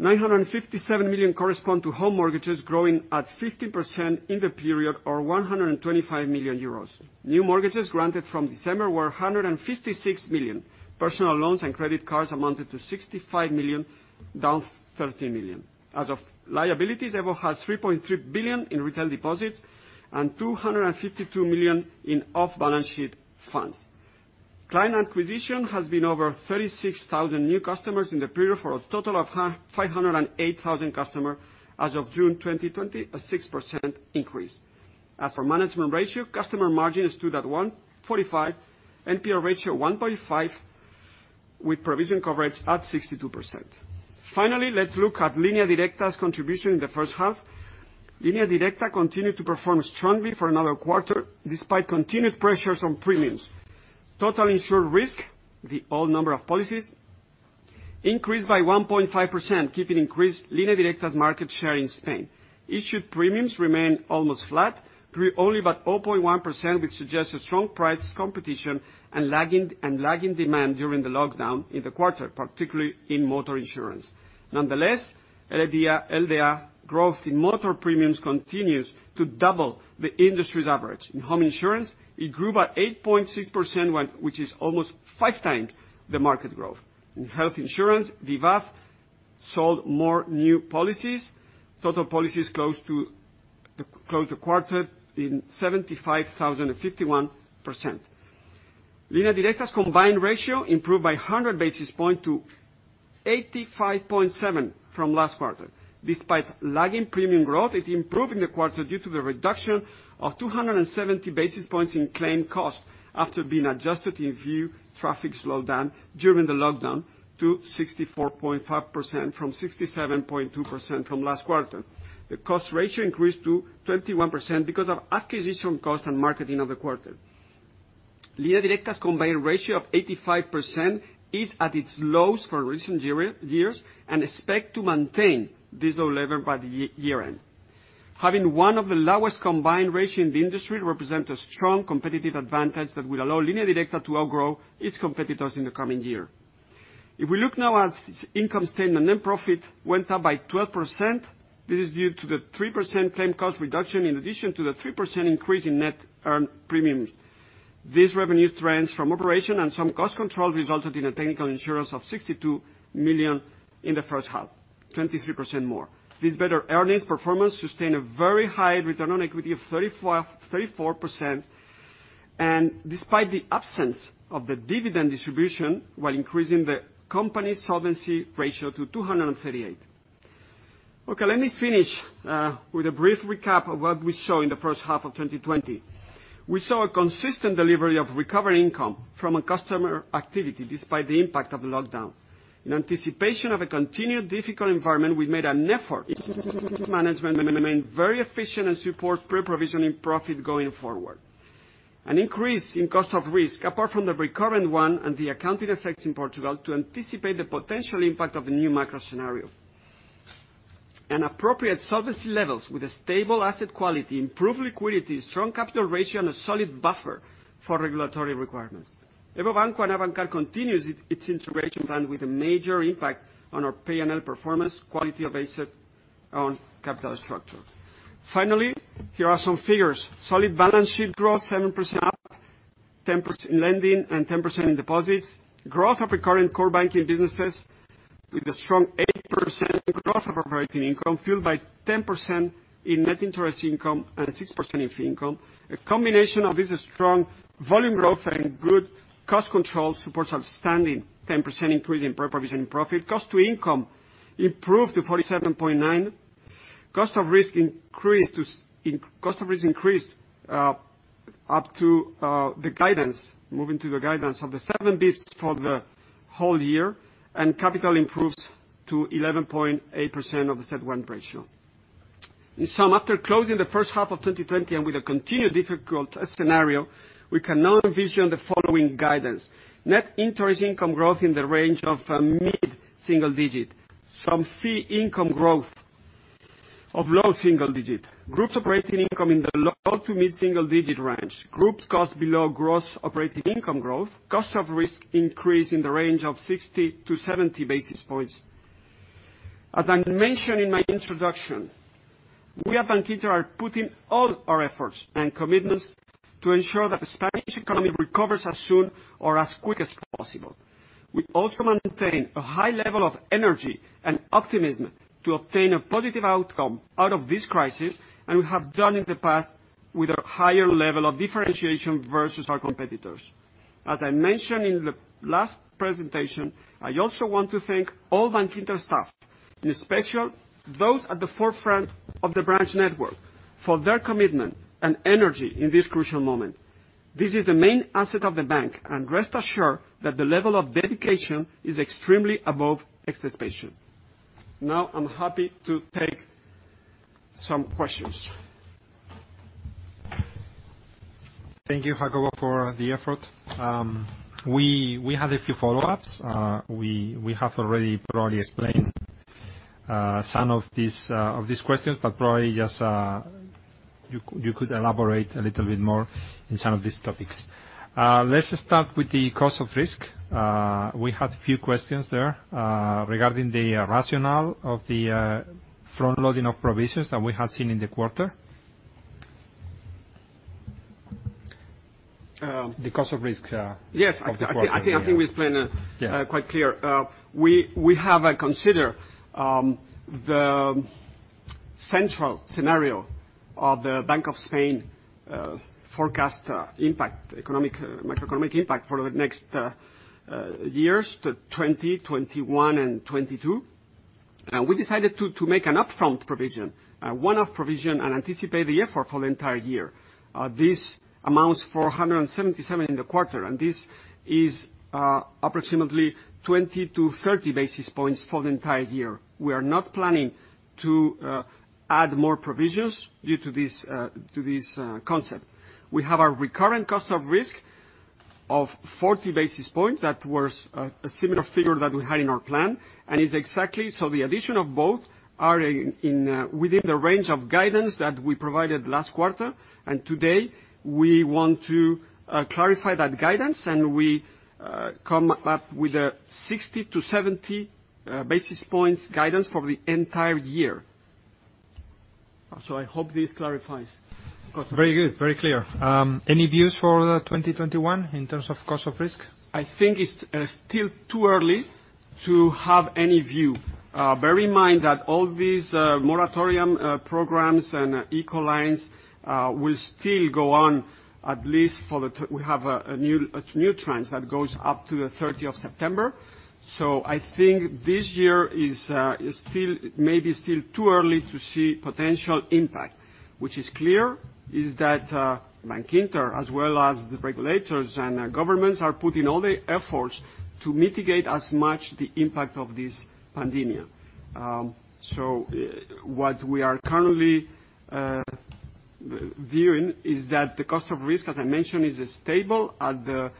[SPEAKER 1] 957 million correspond to home mortgages, growing at 15% in the period or 125 million euros. New mortgages granted from December were 156 million. Personal loans and credit cards amounted to 65 million, down 13 million. As of liabilities, EVO has 3.3 billion in retail deposits and 252 million in off-balance sheet funds. Client acquisition has been over 36,000 new customers in the period, for a total of 508,000 customers as of June 2020, a 6% increase. As for management ratio, customer margin stood at 145%, NPL ratio 1.5%, with provision coverage at 62%. Finally, let's look at Línea Directa's contribution in the first half. Línea Directa continued to perform strongly for another quarter, despite continued pressures on premiums. Total insured risk, the all number of policies, increased by 1.5%, keeping increased Línea Directa's market share in Spain. Issued premiums remained almost flat, grew only about 0.1%, which suggests a strong price competition and lagging demand during the lockdown in the quarter, particularly in motor insurance. Nonetheless, LDA growth in motor premiums continues to double the industry's average. In home insurance, it grew by 8.6%, which is almost five times the market growth. In health insurance, DKV Seguros sold more new policies. Total policies closed the quarter in 75,051%. Línea Directa's combined ratio improved by 100 basis point to 85.7 from last quarter. Despite lagging premium growth, it improved in the quarter due to the reduction of 270 basis points in claim cost after being adjusted in view traffic slowed down during the lockdown to 64.5% from 67.2% from last quarter. The cost ratio increased to 21% because of acquisition cost and marketing of the quarter. Línea Directa's combined ratio of 85% is at its lowest for recent years and expect to maintain this low level by the year-end. Having one of the lowest combined ratio in the industry represents a strong competitive advantage that will allow Línea Directa to outgrow its competitors in the coming year. If we look now at income statement, net profit went up by 12%. This is due to the 3% claim cost reduction in addition to the 3% increase in net earned premiums. These revenue trends from operation and some cost control resulted in a technical result of 62 million in the first half, 23% more. These better earnings performance sustain a very high return on equity of 34%, and despite the absence of the dividend distribution, while increasing the company's solvency ratio to 238. Okay, let me finish with a brief recap of what we saw in the first half of 2020. We saw a consistent delivery of recovery income from a customer activity, despite the impact of the lockdown. In anticipation of a continued difficult environment, we made an effort management remain very efficient and support pre-provisioning profit going forward. An increase in cost of risk, apart from the recurrent one and the accounting effects in Portugal, to anticipate the potential impact of the new macro scenario. Appropriate solvency levels with a stable asset quality, improved liquidity, strong capital ratio, and a solid buffer for regulatory requirements. EVO Banco and Avantcard continues its integration plan with a major impact on our P&L performance, quality of asset, and capital structure. Finally, here are some figures. Solid balance sheet growth, 7% up, 10% in lending and 10% in deposits. Growth of recurring core banking businesses. With a strong 8% growth operating income, fueled by 10% in net interest income and 6% in fee income. A combination of this strong volume growth and good cost control supports outstanding 10% increase in pre-provision profit. Cost to income improved to 47.9. Cost of risk increased up to the guidance, moving to the guidance of the 7 basis points for the whole year, and capital improves to 11.8% of the CET1 ratio. In sum, after closing the first half of 2020 and with a continued difficult scenario, we can now envision the following guidance. Net interest income growth in the range of mid-single digit. Some fee income growth of low single digit. Group's operating income in the low to mid-single digit range. Group's cost below gross operating income growth. Cost of risk increase in the range of 60 to 70 basis points. As I mentioned in my introduction, we at Bankinter are putting all our efforts and commitments to ensure that the Spanish economy recovers as soon or as quick as possible. We also maintain a high level of energy and optimism to obtain a positive outcome out of this crisis, and we have done in the past with a higher level of differentiation versus our competitors. As I mentioned in the last presentation, I also want to thank all Bankinter staff, in special those at the forefront of the branch network, for their commitment and energy in this crucial moment. This is the main asset of the bank, rest assured that the level of dedication is extremely above expectation. Now, I'm happy to take some questions.
[SPEAKER 2] Thank you, Jacobo, for the effort. We had a few follow-ups. We have already probably explained some of these questions, but probably just you could elaborate a little bit more in some of these topics. Let's start with the cost of risk. We had a few questions there regarding the rationale of the front-loading of provisions that we had seen in the quarter.
[SPEAKER 1] Um-
[SPEAKER 2] The cost of risks.
[SPEAKER 1] Yes.
[SPEAKER 2] Of the quarter, yeah.
[SPEAKER 1] I think we explained.
[SPEAKER 2] Yes.
[SPEAKER 1] Quite clear. We have considered the central scenario of the Bank of Spain forecast impact, macroeconomic impact for the next years, the 2021 and 2022. We decided to make an upfront provision, a one-off provision, and anticipate the effort for the entire year. This amounts for 177 in the quarter, and this is approximately 20 to 30 basis points for the entire year. We are not planning to add more provisions due to this concept. We have a recurrent cost of risk of 40 basis points. That was a similar figure that we had in our plan, and is exactly, the addition of both are within the range of guidance that we provided last quarter. Today, we want to clarify that guidance, and we come up with a 60 to 70 basis points guidance for the entire year. I hope this clarifies cost of risk.
[SPEAKER 2] Very good. Very clear. Any views for 2021 in terms of cost of risk?
[SPEAKER 1] I think it's still too early to have any view. Bear in mind that all these moratorium programs and ICO lines will still go on. We have a new trend that goes up to the 30th of September. I think this year is maybe still too early to see potential impact. What is clear is that Bankinter, as well as the regulators and governments, are putting all the efforts to mitigate as much the impact of this pandemic. What we are currently viewing is that the cost of risk, as I mentioned, is stable at the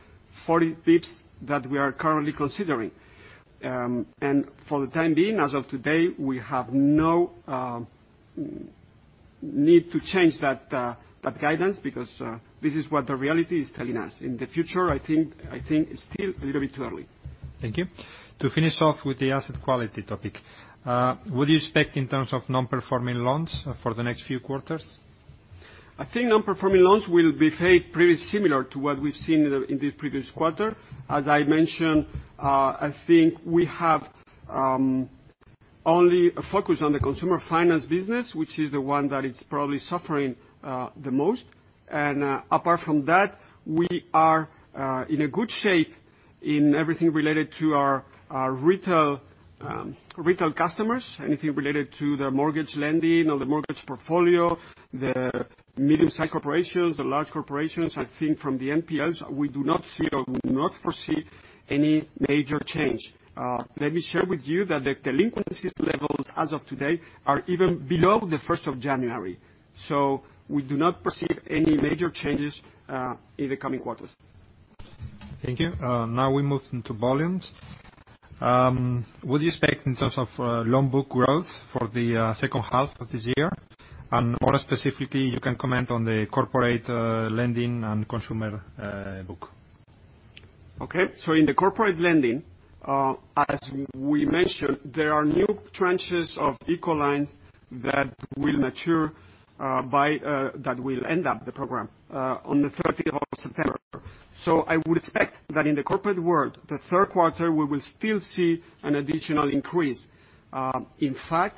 [SPEAKER 1] 40 basis points that we are currently considering. For the time being, as of today, we have no need to change that guidance because this is what the reality is telling us. In the future, I think it's still a little bit early.
[SPEAKER 2] Thank you. To finish off with the asset quality topic, what do you expect in terms of non-performing loans for the next few quarters?
[SPEAKER 1] I think non-performing loans will behave pretty similar to what we've seen in this previous quarter. As I mentioned, I think we have only a focus on the consumer finance business, which is the one that is probably suffering the most. Apart from that, we are in a good shape in everything related to our retail customers, anything related to the mortgage lending or the mortgage portfolio, the medium-size corporations, the large corporations. I think from the NPLs, we do not see or do not foresee any major change. Let me share with you that the delinquencies levels as of today are even below the 1st of January. We do not perceive any major changes in the coming quarters.
[SPEAKER 2] Thank you. Now we move into volumes. What do you expect in terms of loan book growth for the second half of this year? More specifically, you can comment on the corporate lending and consumer book.
[SPEAKER 1] In the corporate lending, as we mentioned, there are new tranches of ICO lines that will end up the program on the 30th of September. I would expect that in the corporate world, the third quarter, we will still see an additional increase. In fact,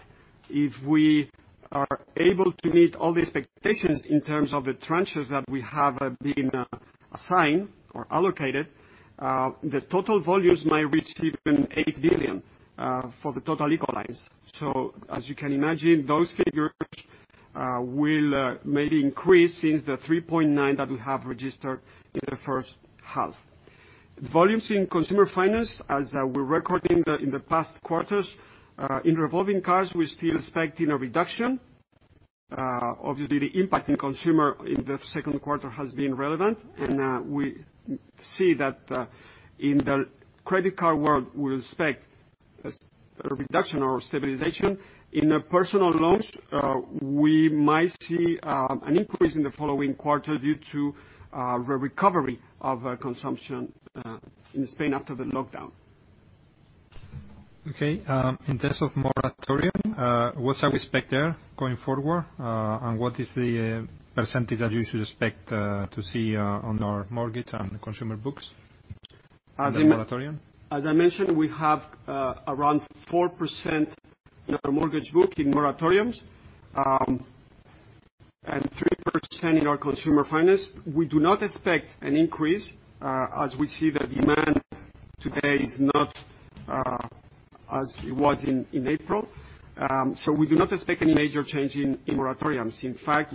[SPEAKER 1] if we are able to meet all the expectations in terms of the tranches that we have been assigned or allocated, the total volumes might reach even 8 billion for the total ICO lines. As you can imagine, those figures will maybe increase since the 3.9 that we have registered in the first half. Volumes in consumer finance, as we're recording in the past quarters, in revolving cards, we're still expecting a reduction. The impact in consumer in the second quarter has been relevant, we see that in the credit card world, we expect a reduction or stabilization. In personal loans, we might see an increase in the following quarter due to a recovery of consumption in Spain after the lockdown.
[SPEAKER 2] Okay. In terms of moratorium, what's our expect there going forward? What is the percentage that you should expect to see on our mortgage and consumer books on the moratorium?
[SPEAKER 1] As I mentioned, we have around 4% in our mortgage book in moratoriums, and 3% in our consumer finance. We do not expect an increase, as we see the demand today is not as it was in April. We do not expect any major change in moratoriums. In fact,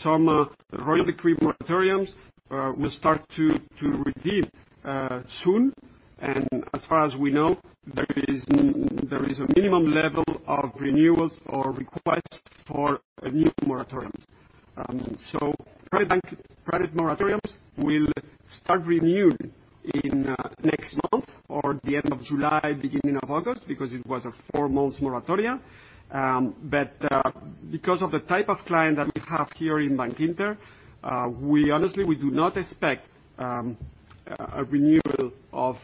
[SPEAKER 1] some royal decree moratoriums will start to redeem soon. As far as we know, there is a minimum level of renewals or requests for new moratoriums. Private moratoriums will start renewing in next month or the end of July, beginning of August, because it was a four-month moratoria. Because of the type of client that we have here in Bankinter, honestly, we do not expect a renewal of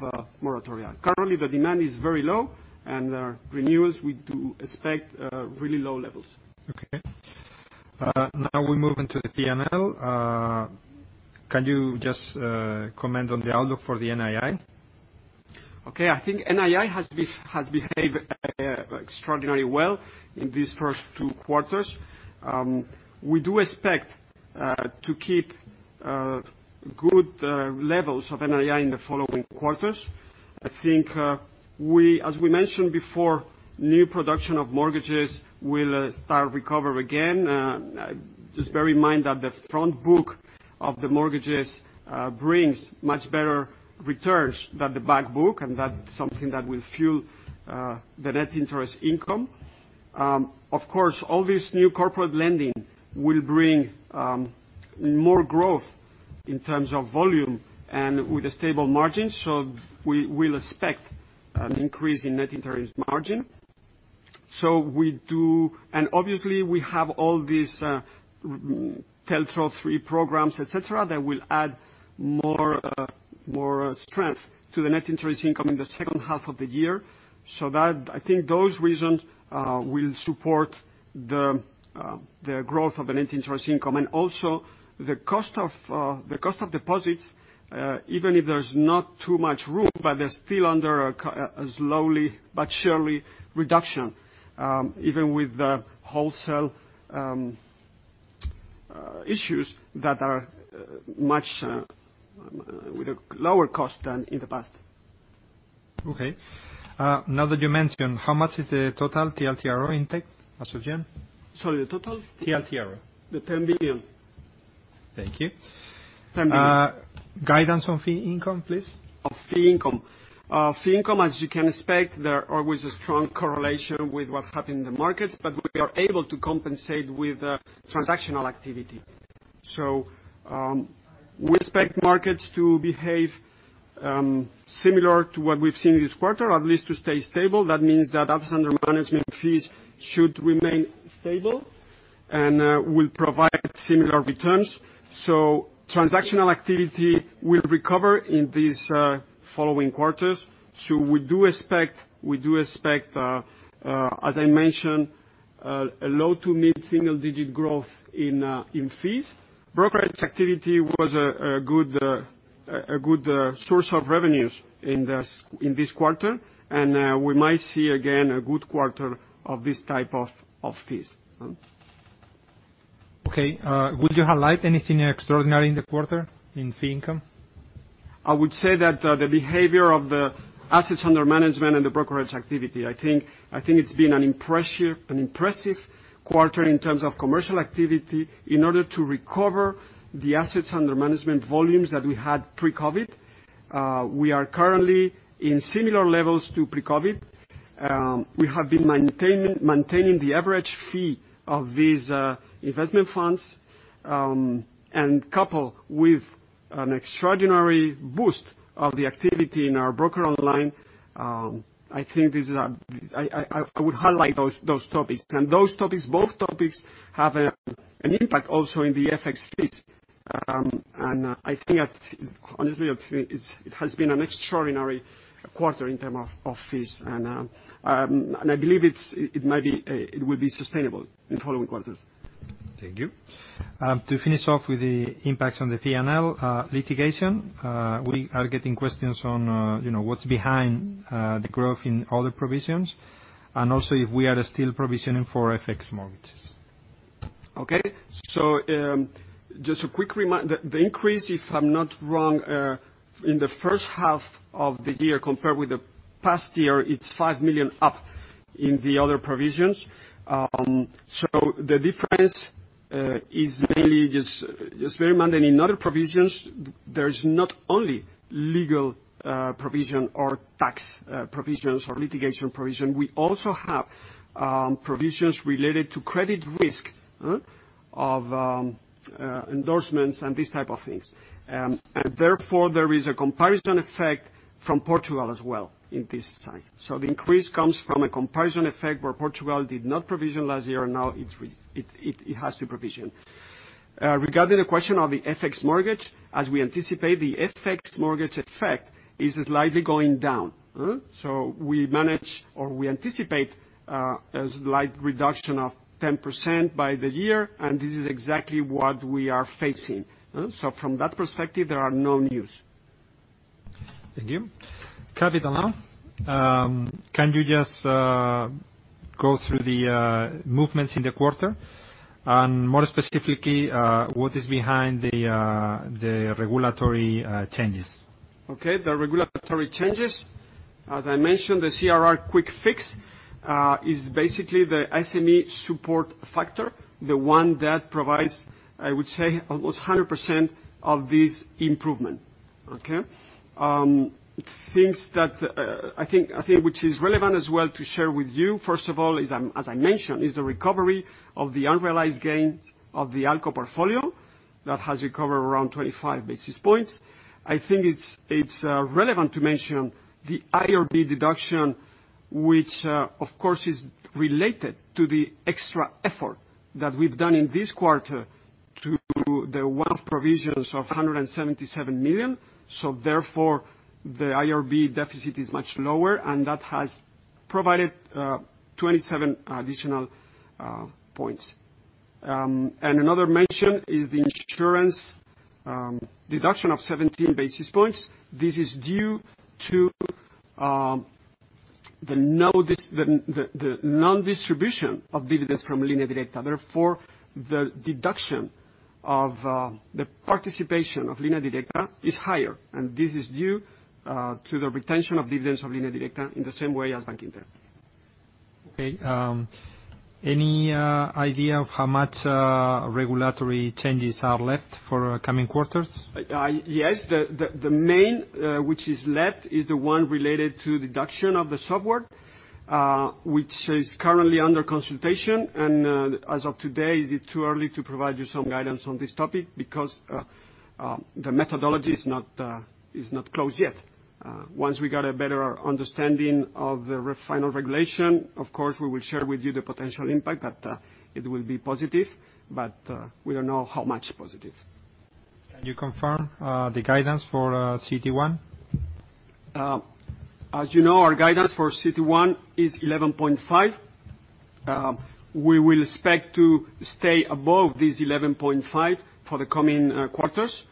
[SPEAKER 1] moratoria. Currently, the demand is very low and renewals, we do expect really low levels.
[SPEAKER 2] Okay. Now we move into the P&L. Can you just comment on the outlook for the NII?
[SPEAKER 1] I think NII has behaved extraordinarily well in these first two quarters. We do expect to keep good levels of NII in the following quarters. I think, as we mentioned before, new production of mortgages will start recover again. Just bear in mind that the front book of the mortgages brings much better returns than the back book, and that's something that will fuel the net interest income. Of course, all this new corporate lending will bring more growth in terms of volume and with a stable margin. We'll expect an increase in net interest margin. Obviously, we have all these TLTRO3 programs, et cetera, that will add more strength to the net interest income in the second half of the year. I think those reasons will support the growth of the net interest income. Also, the cost of deposits, even if there's not too much room, but they're still under a slowly but surely reduction, even with the wholesale issues that are with a lower cost than in the past.
[SPEAKER 2] Okay. Now that you mention, how much is the total TLTRO intake, Jacobo? Sorry, the total? TLTRO.
[SPEAKER 1] The 10 billion.
[SPEAKER 2] Thank you. 10 billion. Guidance on fee income, please.
[SPEAKER 1] On fee income. Fee income, as you can expect, there are always a strong correlation with what's happening in the markets, but we are able to compensate with transactional activity. We expect markets to behave similar to what we've seen this quarter, at least to stay stable. That means that assets under management fees should remain stable, and will provide similar returns. Transactional activity will recover in these following quarters. We do expect, as I mentioned, a low to mid-single digit growth in fees. Brokerage activity was a good source of revenues in this quarter. We might see, again, a good quarter of this type of fees.
[SPEAKER 2] Okay. Would you highlight anything extraordinary in the quarter in fee income?
[SPEAKER 1] I would say that the behavior of the assets under management and the brokerage activity. I think it's been an impressive quarter in terms of commercial activity in order to recover the assets under management volumes that we had pre-COVID. We are currently in similar levels to pre-COVID. We have been maintaining the average fee of these investment funds, and coupled with an extraordinary boost of the activity in our broker online. I would highlight those topics. Both topics have an impact also in the FX space. I think, honestly, it has been an extraordinary quarter in term of fees, and I believe it will be sustainable in following quarters.
[SPEAKER 2] Thank you. To finish off with the impacts on the P&L litigation, we are getting questions on what's behind the growth in other provisions, and also if we are still provisioning for FX mortgages.
[SPEAKER 1] Okay. Just a quick reminder. The increase, if I'm not wrong, in the first half of the year compared with the past year, it's 5 million up in the other provisions. The difference is mainly just very mundane. In other provisions, there's not only legal provision or tax provisions or litigation provision, we also have provisions related to credit risk of endorsements and these type of things. Therefore, there is a comparison effect from Portugal as well in this side. The increase comes from a comparison effect where Portugal did not provision last year, now it has to provision. Regarding the question of the FX mortgage, as we anticipate, the FX mortgage effect is slightly going down. We manage or we anticipate a slight reduction of 10% by the year, and this is exactly what we are facing. From that perspective, there are no news.
[SPEAKER 2] Thank you. Capital. Can you just go through the movements in the quarter? More specifically, what is behind the regulatory changes?
[SPEAKER 1] Okay. The regulatory changes, as I mentioned, the CRR quick fix, is basically the SME support factor, the one that provides, I would say, almost 100% of this improvement. Okay. Things that I think which is relevant as well to share with you, first of all, as I mentioned, is the recovery of the unrealized gains of the ALCO portfolio. That has recovered around 25 basis points. I think it's relevant to mention the IRB deduction, which of course is related to the extra effort that we've done in this quarter to the wealth provisions of 177 million. Therefore, the IRB deficit is much lower, and that has provided 27 additional points. Another mention is the insurance deduction of 17 basis points. This is due to the non-distribution of dividends from Línea Directa. Therefore, the deduction of the participation of Línea Directa is higher, and this is due to the retention of dividends of Línea Directa in the same way as Bankinter.
[SPEAKER 2] Okay. Any idea of how much regulatory changes are left for coming quarters?
[SPEAKER 1] Yes. The main, which is left, is the one related to deduction of the software, which is currently under consultation. As of today, is it too early to provide you some guidance on this topic because the methodology is not closed yet. Once we get a better understanding of the final regulation, of course, we will share with you the potential impact, but it will be positive, but we don't know how much positive.
[SPEAKER 2] Can you confirm the guidance for CET1?
[SPEAKER 1] As you know, our guidance for CET1 is 11.5. We will expect to stay above this 11.5 for the coming quarters.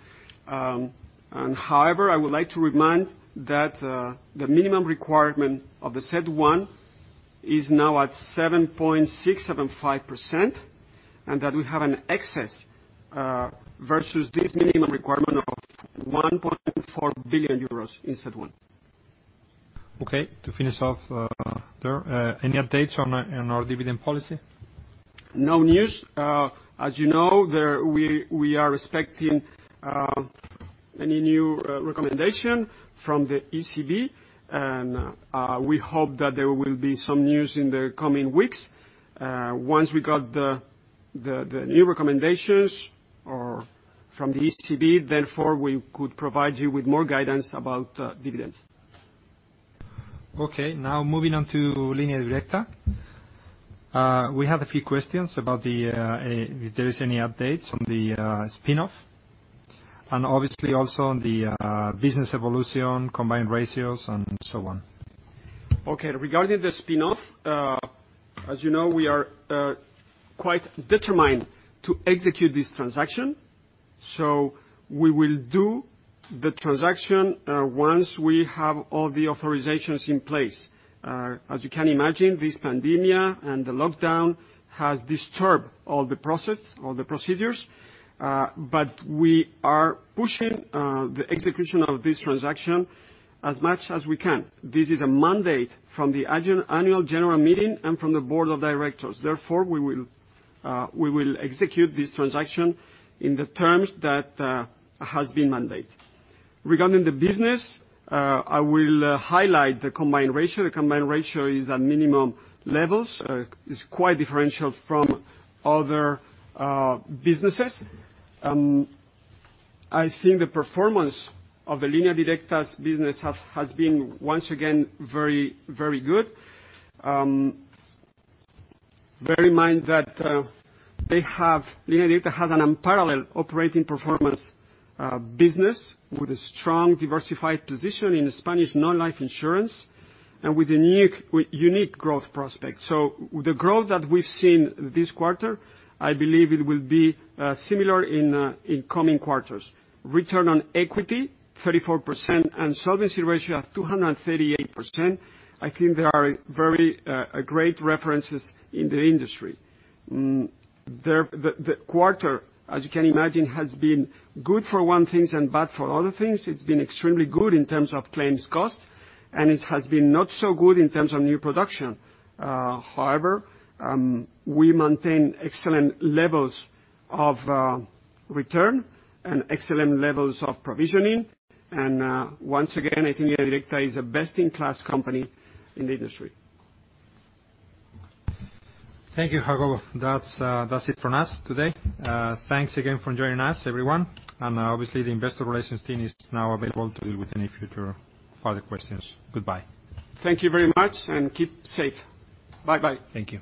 [SPEAKER 1] However, I would like to remind that the minimum requirement of the CET1 is now at 7.675%, and that we have an excess versus this minimum requirement of 1.4 billion euros in CET1.
[SPEAKER 2] Okay, to finish off there, any updates on our dividend policy?
[SPEAKER 1] No news. As you know, we are expecting any new recommendation from the ECB, and we hope that there will be some news in the coming weeks. Once we got the new recommendations from the ECB, therefore, we could provide you with more guidance about dividends.
[SPEAKER 2] Okay. Now moving on to Línea Directa. We have a few questions about if there is any updates on the spin-off, and obviously also on the business evolution, combined ratios, and so on.
[SPEAKER 1] Okay, regarding the spin-off, as you know, we are quite determined to execute this transaction. We will do the transaction once we have all the authorizations in place. As you can imagine, this pandemic and the lockdown has disturbed all the process, all the procedures. We are pushing the execution of this transaction as much as we can. This is a mandate from the annual general meeting and from the board of directors. We will execute this transaction in the terms that has been mandate. Regarding the business, I will highlight the combined ratio. The combined ratio is at minimum levels. It's quite differential from other businesses. I think the performance of the Línea Directa's business has been, once again, very good. Bear in mind that Línea Directa has an unparalleled operating performance business with a strong diversified position in the Spanish non-life insurance and with a unique growth prospect. The growth that we've seen this quarter, I believe it will be similar in coming quarters. Return on equity, 34%, and solvency ratio of 238%, I think they are very great references in the industry. The quarter, as you can imagine, has been good for one things and bad for other things. It's been extremely good in terms of claims cost, and it has been not so good in terms of new production. However, we maintain excellent levels of return and excellent levels of provisioning. Once again, I think Línea Directa is a best-in-class company in the industry.
[SPEAKER 2] Thank you, Jacobo. That's it from us today. Thanks again for joining us, everyone. Obviously, the investor relations team is now available to deal with any future further questions. Goodbye.
[SPEAKER 1] Thank you very much, and keep safe. Bye-bye.
[SPEAKER 2] Thank you.